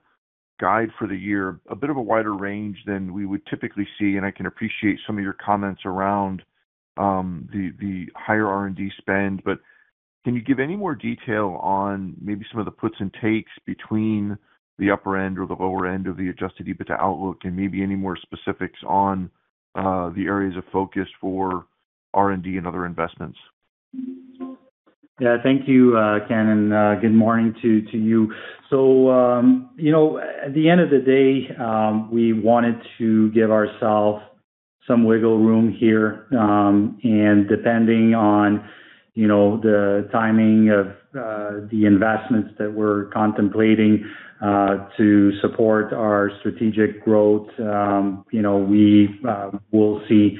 guide for the year, a bit of a wider range than we would typically see, and I can appreciate some of your comments around the higher R&D spend. Can you give any more detail on maybe some of the puts and takes between the upper end or the lower end of the Adjusted EBITDA outlook, and maybe any more specifics on the areas of focus for R&D and other investments? Thank you, Ken, good morning to you. You know, at the end of the day, we wanted to give ourself some wiggle room here. Depending on, you know, the timing of the investments that we're contemplating to support our strategic growth, you know, we will see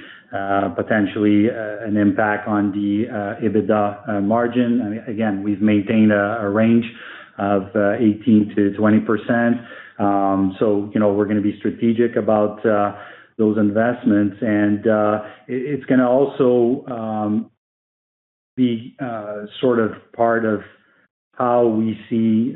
potentially an impact on the EBITDA margin. Again, we've maintained a range of 18%-20%. You know, we're gonna be strategic about those investments. It's gonna also be sort of part of how we see, you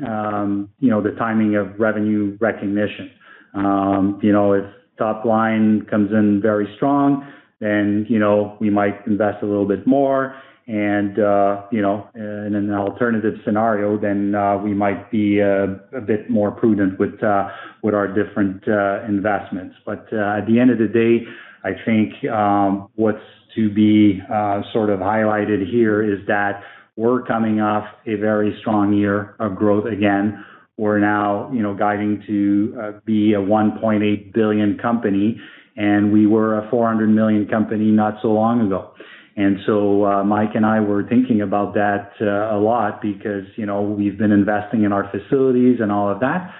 know, the timing of revenue recognition. You know, if top line comes in very strong, then, you know, we might invest a little bit more and, in an alternative scenario, then, we might be a bit more prudent with our different investments. At the end of the day, I think, what's to be sort of highlighted here is that we're coming off a very strong year of growth again. We're now, you know, guiding to be a 1.8 billion company, and we were a 400 million company not so long ago. Mike and I were thinking about that a lot because, you know, we've been investing in our facilities and all of that,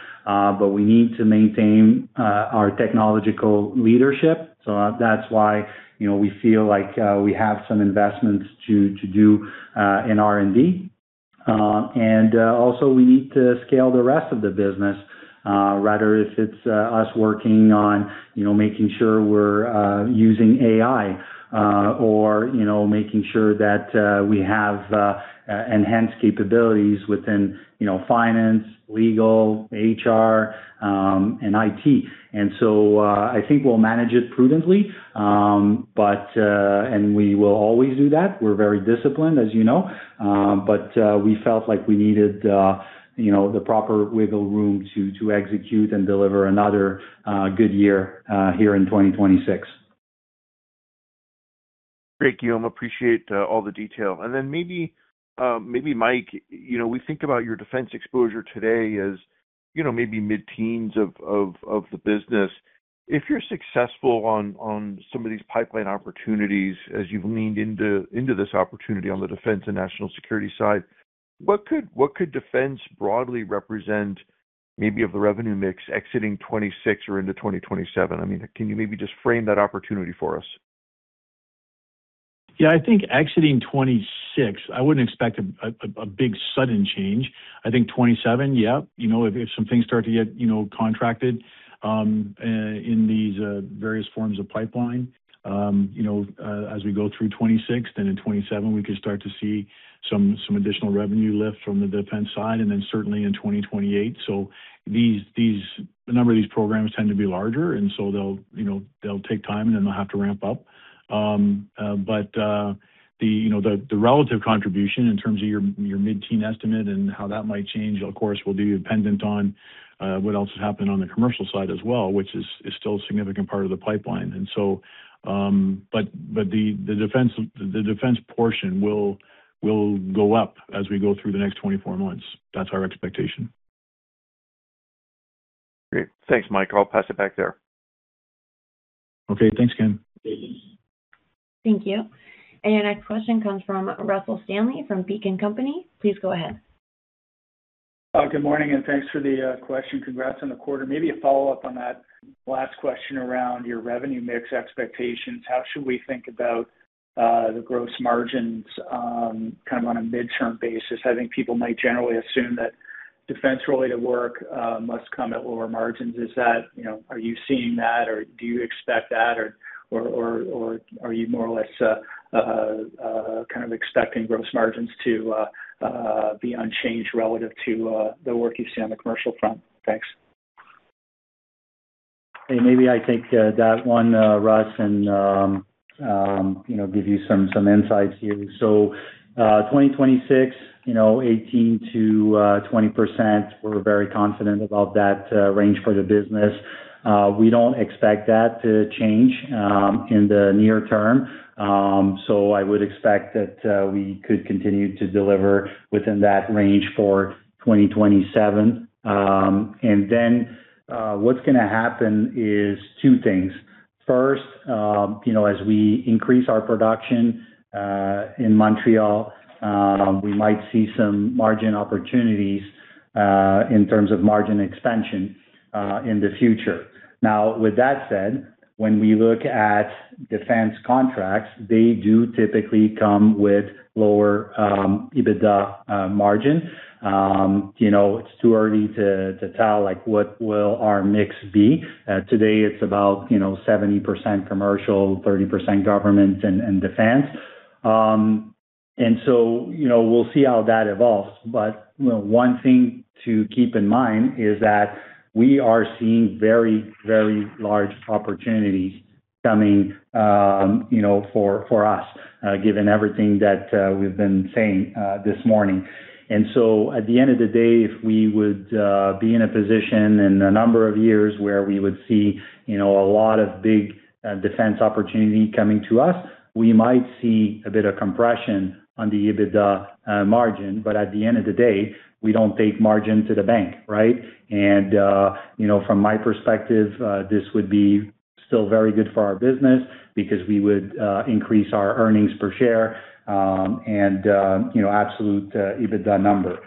but we need to maintain our technological leadership. That's why, you know, we feel like we have some investments to do in R&D. Also we need to scale the rest of the business, rather if it's us working on, you know, making sure we're using AI, or, you know, making sure that we have e-enhanced capabilities within, you know, finance, legal, HR, and IT. I think we'll manage it prudently, and we will always do that. We're very disciplined, as you know. But we felt like we needed, you know, the proper wiggle room to execute and deliver another good year here in 2026. Great, Guillaume. Appreciate all the detail. Maybe Mike, you know, we think about your defense exposure today as, you know, maybe mid-teens of the business. If you're successful on some of these pipeline opportunities as you've leaned into this opportunity on the defense and national security side, what could defense broadly represent maybe of the revenue mix exiting 2026 or into 2027? I mean, can you maybe just frame that opportunity for us? I think exiting 2026, I wouldn't expect a big sudden change. I think 2027, you know, if some things start to get, you know, contracted in these various forms of pipeline, you know, as we go through 2026, then in 2027, we could start to see some additional revenue lift from the defense side and then certainly in 2028. A number of these programs tend to be larger, and so they'll, you know, they'll take time, and then they'll have to ramp up. But the, you know, the relative contribution in terms of your mid-teen estimate and how that might change, of course, will be dependent on what else has happened on the commercial side as well, which is still a significant part of the pipeline. The defense, the defense portion will go up as we go through the next 24 months. That's our expectation. Great. Thanks, Mike. I'll pass it back there. Okay, thanks again. Thank you. Your next question comes from Russell Stanley from Beacon Securities. Please go ahead. Good morning. Thanks for the question. Congrats on the quarter. Maybe a follow-up on that last question around your revenue mix expectations. How should we think about the gross margins kind of on a mid-term basis? I think people might generally assume that defense-related work must come at lower margins. Is that, you know, are you seeing that, or do you expect that? Or are you more or less kind of expecting gross margins to be unchanged relative to the work you've seen on the commercial front? Thanks. Hey, maybe I take that one, Russ, you know, give you some insights here. 2026, you know, 18%-20%, we're very confident about that range for the business. We don't expect that to change in the near term. I would expect that we could continue to deliver within that range for 2027. What's gonna happen is two things. First, you know, as we increase our production in Montreal, we might see some margin opportunities in terms of margin expansion in the future. Now, with that said, when we look at defense contracts, they do typically come with lower EBITDA margin. You know, it's too early to tell, like, what will our mix be. Today it's about, you know, 70% commercial, 30% government and defense. You know, we'll see how that evolves. You know, one thing to keep in mind is that we are seeing very, very large opportunities coming, you know, for us, given everything that we've been saying this morning. At the end of the day, if we would be in a position in a number of years where we would see, you know, a lot of big defense opportunity coming to us, we might see a bit of compression on the EBITDA margin. At the end of the day, we don't take margin to the bank, right? You know, from my perspective, this would be still very good for our business because we would increase our earnings per share and, you know, absolute EBITDA number.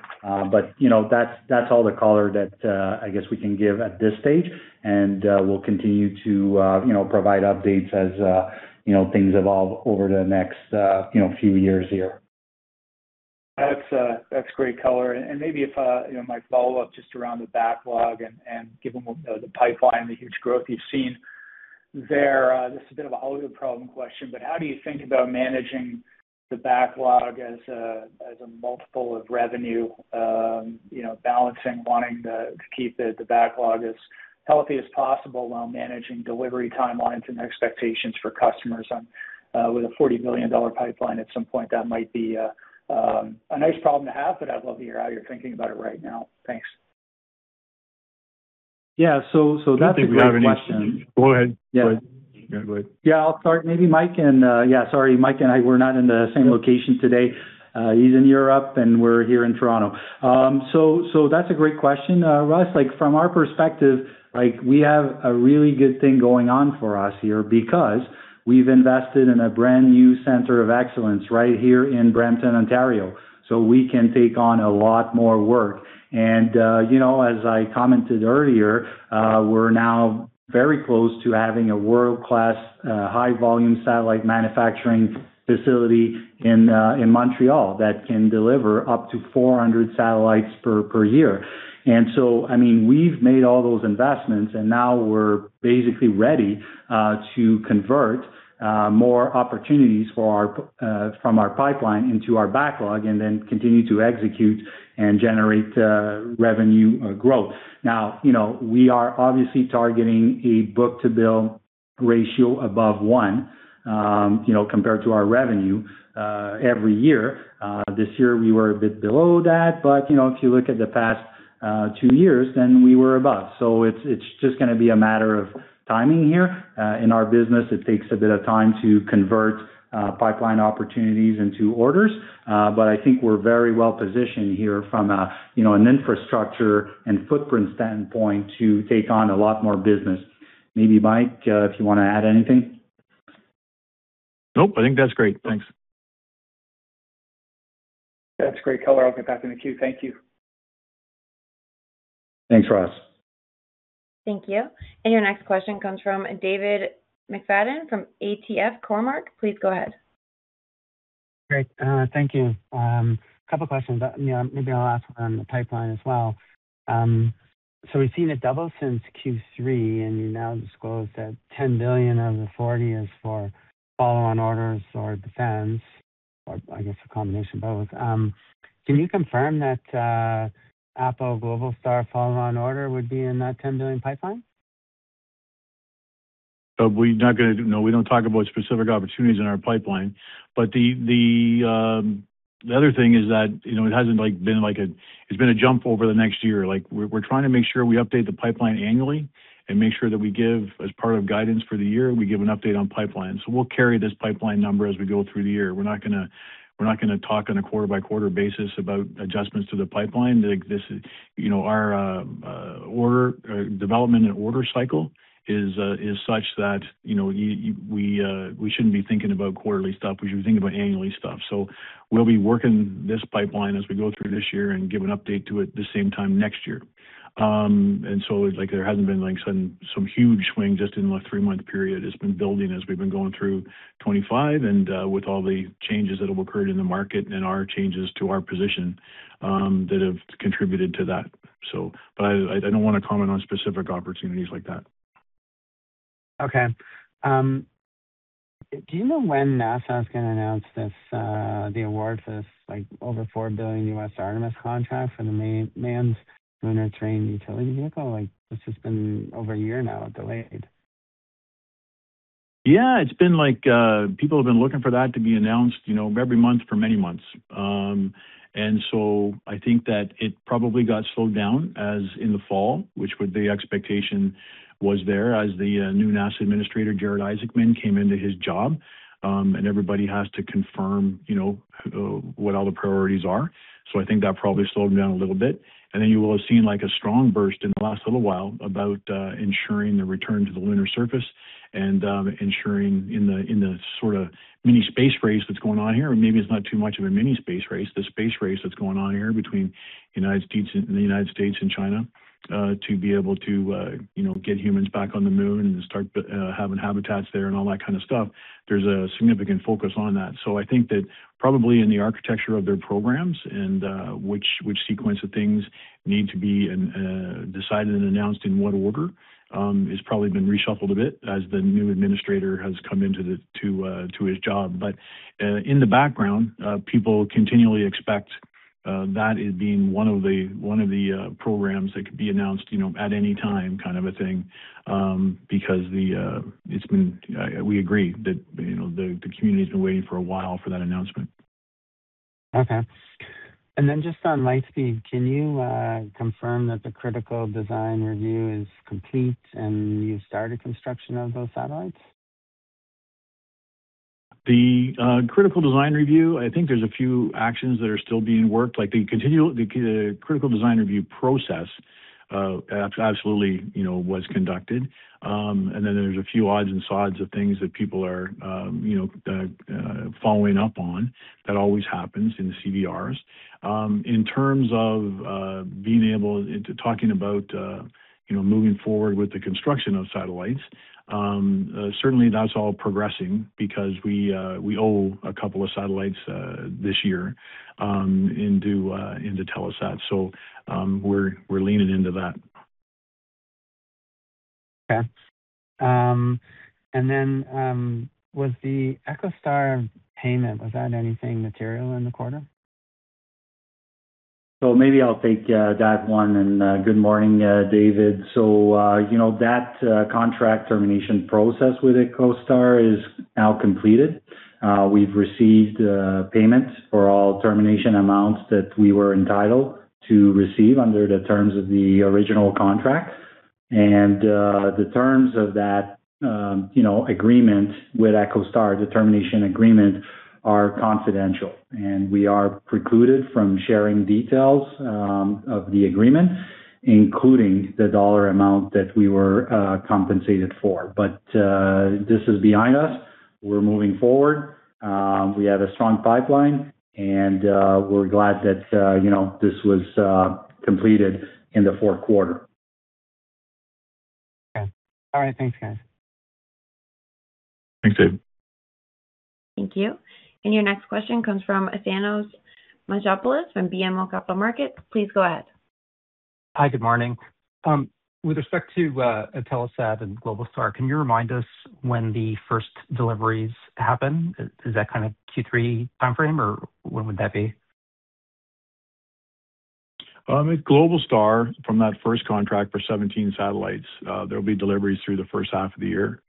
You know, that's all the color that I guess we can give at this stage. We'll continue to, you know, provide updates as, you know, things evolve over the next, you know, few years here. That's great color. Maybe if, you know, my follow-up just around the backlog and given the pipeline, the huge growth you've seen there, this is a bit of a Hollywood problem question, but how do you think about managing the backlog as a, as a multiple of revenue? You know, balancing wanting to keep the backlog as healthy as possible while managing delivery timelines and expectations for customers on, with a 40 million dollar pipeline at some point, that might be a nice problem to have, but I'd love to hear how you're thinking about it right now. Thanks. Yeah. That's a great question. I think we have. Go ahead. Yeah. Go ahead. Yeah, I'll start. Sorry, Mike and I, we're not in the same location today. He's in Europe, and we're here in Toronto. That's a great question, Russ. Like, from our perspective, like, we have a really good thing going on for us here because we've invested in a brand new center of excellence right here in Brampton, Ontario. We can take on a lot more work. You know, as I commented earlier, we're now very close to having a world-class, high-volume satellite manufacturing facility in Montreal that can deliver up to 400 satellites per year. I mean, we've made all those investments, and now we're basically ready to convert more opportunities from our pipeline into our backlog and then continue to execute and generate revenue growth. You know, we are obviously targeting a book-to-bill ratio above one, you know, compared to our revenue every year. This year we were a bit below that, but, you know, if you look at the past two years, then we were above. It's just gonna be a matter of timing here. In our business, it takes a bit of time to convert pipeline opportunities into orders, but I think we're very well positioned here from a, you know, an infrastructure and footprint standpoint to take on a lot more business. Maybe, Mike, if you wanna add anything. Nope. I think that's great. Thanks. That's great color. I'll get back in the queue. Thank you. Thanks, Russ. Thank you. Your next question comes from David McFadgen from Cormark Securities. Please go ahead. Great. Thank you. A couple questions. You know, maybe I'll ask on the pipeline as well. We've seen it double since Q3, and you now disclose that 10 billion of the 40 billion is for follow-on orders or defense, or I guess a combination of both. Can you confirm that APO Globalstar follow-on order would be in that 10 billion pipeline? We're not gonna talk about specific opportunities in our pipeline. The other thing is that, you know, it hasn't, like, been like a jump over the next year. We're trying to make sure we update the pipeline annually and make sure that we give, as part of guidance for the year, we give an update on pipeline. We'll carry this pipeline number as we go through the year. We're not gonna talk on a quarter-by-quarter basis about adjustments to the pipeline. You know, our order development and order cycle is such that, you know, we shouldn't be thinking about quarterly stuff, we should be thinking about annually stuff. We'll be working this pipeline as we go through this year and give an update to it the same time next year. There hasn't been, like, some huge swing just in the last three-month period. It's been building as we've been going through 2025, and with all the changes that have occurred in the market and our changes to our position that have contributed to that. But I don't wanna comment on specific opportunities like that. Do you know when NASA's gonna announce this, the award for this, like, over $4 billion Artemis contract for the manned lunar terrain utility vehicle? Like, this has been over a year now delayed. Yeah. It's been like, people have been looking for that to be announced, you know, every month for many months. I think that it probably got slowed down as in the fall. The expectation was there as the new NASA Administrator, Jared Isaacman, came into his job, and everybody has to confirm, you know, what all the priorities are. I think that probably slowed him down a little bit. You will have seen, like, a strong burst in the last little while about ensuring the return to the lunar surface and ensuring in the, in the sorta mini space race that's going on here, or maybe it's not too much of a mini space race. The space race that's going on here between United States and, the United States and China, to be able to, you know, get humans back on the Moon and start having habitats there and all that kind of stuff, there's a significant focus on that. I think that probably in the architecture of their programs and, which sequence of things need to be in, decided and announced in what order, has probably been reshuffled a bit as the new administrator has come into his job. In the background, people continually expect that as being one of the programs that could be announced, you know, at any time kind of a thing, because the it's been... We agree that, you know, the community's been waiting for a while for that announcement. Okay. Just on Lightspeed, can you confirm that the critical design review is complete and you've started construction of those satellites? The critical design review, I think there's a few actions that are still being worked. Like, the critical design review process, you know, was conducted. There's a few odds and sods of things that people are, you know, following up on. That always happens in CDRs. In terms of being able, into talking about, you know, moving forward with the construction of satellites, certainly that's all progressing because we owe a couple of satellites this year into Telesat. We're, we're leaning into that. Okay. Was the EchoStar payment, was that anything material in the quarter? Maybe I'll take that one. Good morning, David. You know, that contract termination process with EchoStar is now completed. We've received payments for all termination amounts that we were entitled to receive under the terms of the original contract. The terms of that, you know, agreement with EchoStar, the termination agreement, are confidential, and we are precluded from sharing details of the agreement, including the dollar amount that we were compensated for. This is behind us. We're moving forward. We have a strong pipeline, and we're glad that, you know, this was completed in the fourth quarter. Okay. All right. Thanks, guys. Thanks, David. Thank you. Your next question comes from Thanos Moschopoulos from BMO Capital Markets. Please go ahead. Hi. Good morning. With respect to, Telesat and Globalstar, can you remind us when the first deliveries happen? Is that kind of Q3 timeframe, or when would that be? With Globalstar, from that first contract for 17 satellites, there'll be deliveries through the first half of the year.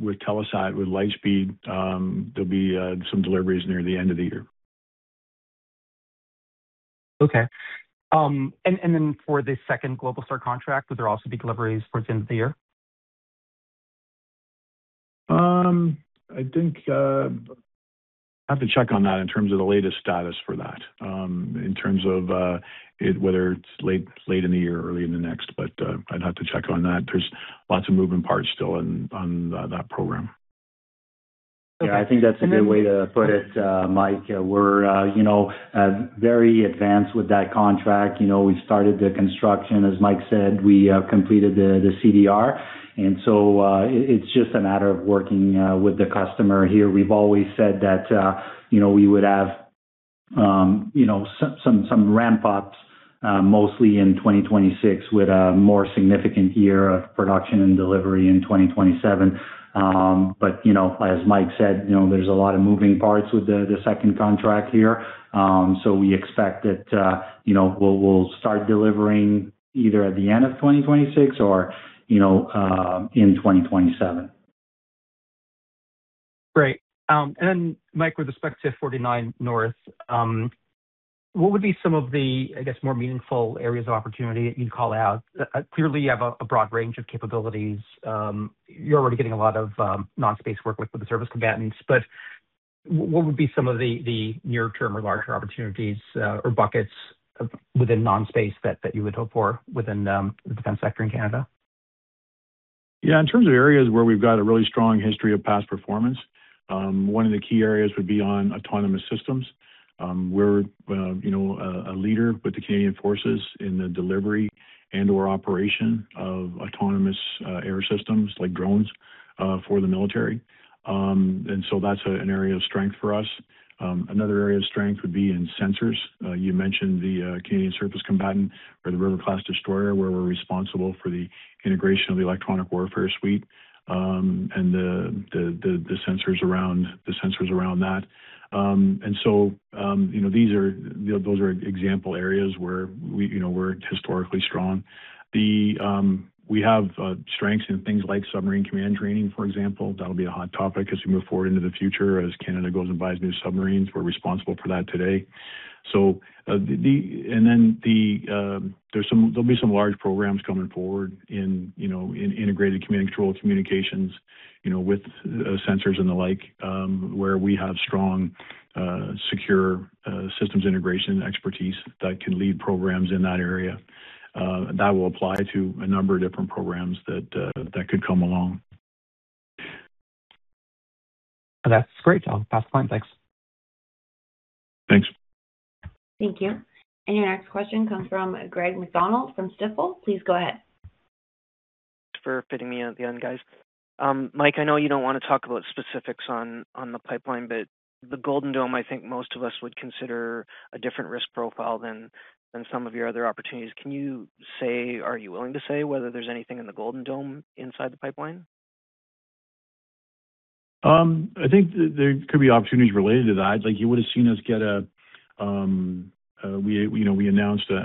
With Telesat, with Lightspeed, there'll be some deliveries near the end of the year. Okay. For the second Globalstar contract, would there also be deliveries towards the end of the year? I think, I'd have to check on that in terms of the latest status for that, in terms of, whether it's late in the year or early in the next, I'd have to check on that. There's lots of moving parts still in, on, that program. Okay. Yeah. I think that's a good way to put it, Mike. We're, you know, very advanced with that contract. You know, we started the construction. As Mike said, we completed the CDR. It's just a matter of working with the customer here. We've always said that, you know, we would have, you know, some ramp-ups, mostly in 2026, with a more significant year of production and delivery in 2027. But, you know, as Mike said, you know, there's a lot of moving parts with the second contract here. So we expect that, you know, we'll start delivering either at the end of 2026 or, you know, in 2027. Great. Mike, with respect to 49th North, what would be some of the, I guess, more meaningful areas of opportunity that you'd call out? Clearly you have a broad range of capabilities. You're already getting a lot of non-space work with the service combatants. What would be some of the near term or larger opportunities, or buckets of, within non-space that you would hope for within the defense sector in Canada? Yeah. In terms of areas where we've got a really strong history of past performance, one of the key areas would be on autonomous systems. We're, you know, a leader with the Canadian Forces in the delivery and/or operation of autonomous air systems like drones for the military. That's an area of strength for us. Another area of strength would be in sensors. You mentioned the Canadian Surface Combatant or the River-class destroyer, where we're responsible for the integration of the electronic warfare suite and the sensors around that. You know, those are example areas where we, you know, we're historically strong. We have strengths in things like submarine command training, for example. That'll be a hot topic as we move forward into the future as Canada goes and buys new submarines. We're responsible for that today. There'll be some large programs coming forward in, you know, in integrated command and control communications, you know, with sensors and the like, where we have strong, secure, systems integration expertise that can lead programs in that area. That will apply to a number of different programs that could come along. That's great. I'll pass the time. Thanks. Thanks. Thank you. Your next question comes from Greg MacDonald from Stifel. Please go ahead. Thanks for fitting me in at the end, guys. Mike, I know you don't wanna talk about specifics on the pipeline, but the Golden Dome, I think most of us would consider a different risk profile than some of your other opportunities. Can you say, are you willing to say whether there's anything in the Golden Dome inside the pipeline? I think there could be opportunities related to that. Like, you would've seen us get a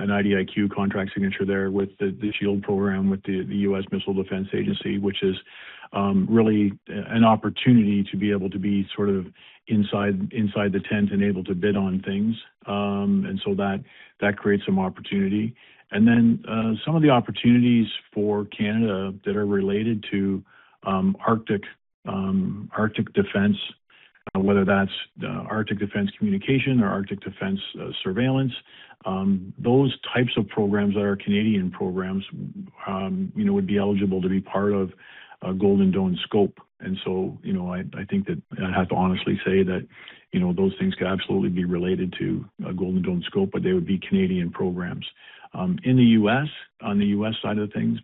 IDIQ contract signature there with the SHIELD program with the U.S. Missile Defense Agency, which is really an opportunity to be able to be sort of inside the tent and able to bid on things. That creates some opportunity. Some of the opportunities for Canada that are related to Arctic defense, whether that's Arctic defense communication or Arctic defense surveillance, those types of programs that are Canadian programs, you know, would be eligible to be part of Golden Dome scope. You know, I think that I'd have to honestly say that, you know, those things could absolutely be related to a Golden Dome scope, but they would be Canadian programs. In the US, on the US side of things,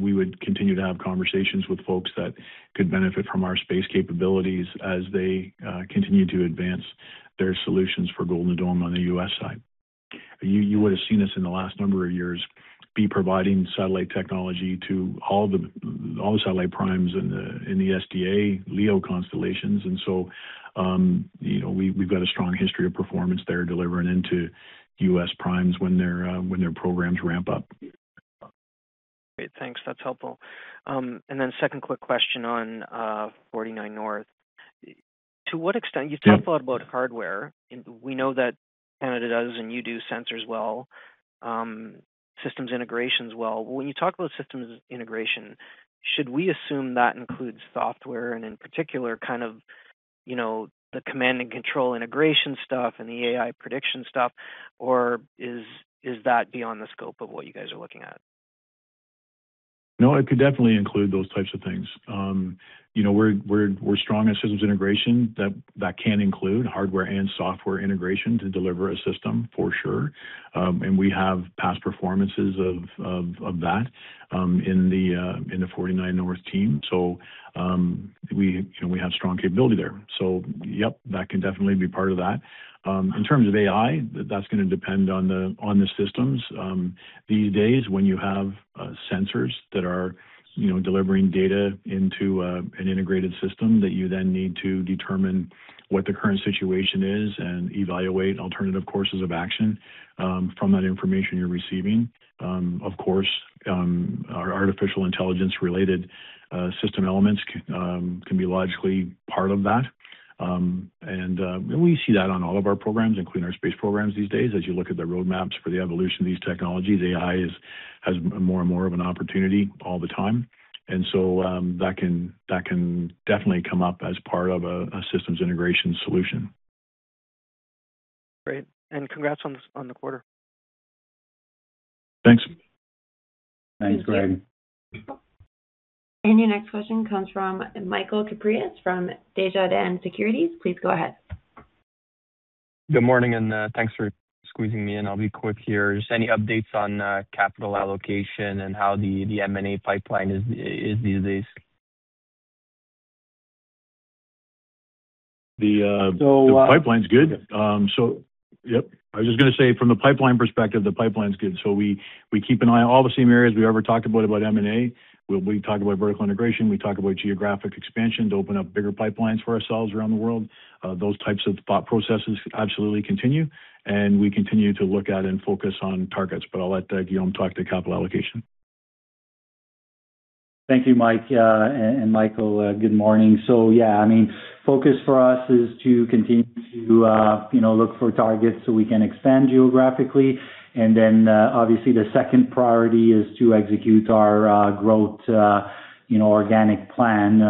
we would continue to have conversations with folks that could benefit from our space capabilities as they continue to advance their solutions for Golden Dome on the US side. You would've seen us in the last number of years be providing satellite technology to all the satellite primes in the SDA LEO constellations. You know, we've got a strong history of performance there delivering into US primes when their programs ramp up. Great. Thanks. That's helpful. Second quick question on 49th North. To what extent- Yeah. You've talked a lot about hardware, and we know that Canada does, and you do sensors well, systems integrations well. When you talk about systems integration, should we assume that includes software and in particular kind of, you know, the command and control integration stuff and the AI prediction stuff, or is that beyond the scope of what you guys are looking at? It could definitely include those types of things. You know, we're strong in systems integration. That can include hardware and software integration to deliver a system for sure. We have past performances of that in the 49th North team. We, you know, we have strong capability there. Yep, that can definitely be part of that. In terms of AI, that's gonna depend on the systems. These days, when you have sensors that are, you know, delivering data into an integrated system that you then need to determine what the current situation is and evaluate alternative courses of action from that information you're receiving, of course, our artificial intelligence related system elements can be logically part of that. We see that on all of our programs, including our space programs these days. As you look at the roadmaps for the evolution of these technologies, AI has more and more of an opportunity all the time. That can definitely come up as part of a systems integration solution. Great. Congrats on the quarter. Thanks. Thanks, Greg. Your next question comes from Michael Kypreos from Desjardins Securities. Please go ahead. Good morning, and thanks for squeezing me in. I'll be quick here. Just any updates on capital allocation and how the M&A pipeline is these days? The. So, uh- The pipeline's good. Yep, I was just gonna say from the pipeline perspective, the pipeline's good. We keep an eye on all the same areas we ever talked about M&A, where we talk about vertical integration, we talk about geographic expansion to open up bigger pipelines for ourselves around the world. Those types of thought processes absolutely continue, and we continue to look at and focus on targets. I'll let Guillaume talk to capital allocation. Thank you, Mike. And Michael, good morning. Yeah, I mean, focus for us is to continue to, you know, look for targets so we can expand geographically. Obviously the second priority is to execute our growth, you know, organic plan.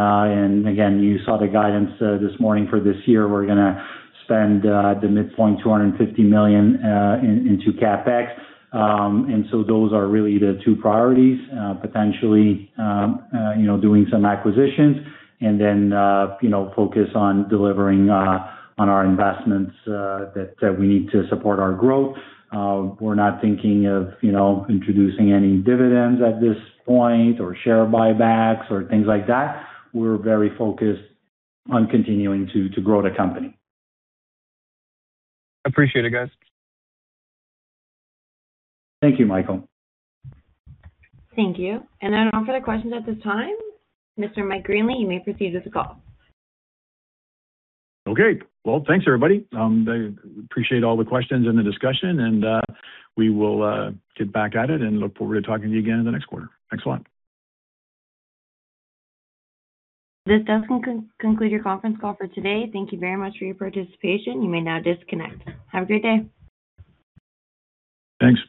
Again, you saw the guidance this morning for this year. We're gonna spend the midpoint 250 million into CapEx. Those are really the two priorities. Potentially, you know, doing some acquisitions, then, you know, focus on delivering on our investments that we need to support our growth. We're not thinking of, you know, introducing any dividends at this point or share buybacks or things like that. We're very focused on continuing to grow the company. Appreciate it, guys. Thank you, Michael. Thank you. Then all other questions at this time, Mr. Mike Greenley, you may proceed with the call. Okay. Well, thanks everybody. I appreciate all the questions and the discussion, we will get back at it and look forward to talking to you again in the next quarter. Thanks a lot. This does conclude your conference call for today. Thank you very much for your participation. You may now disconnect. Have a great day. Thanks.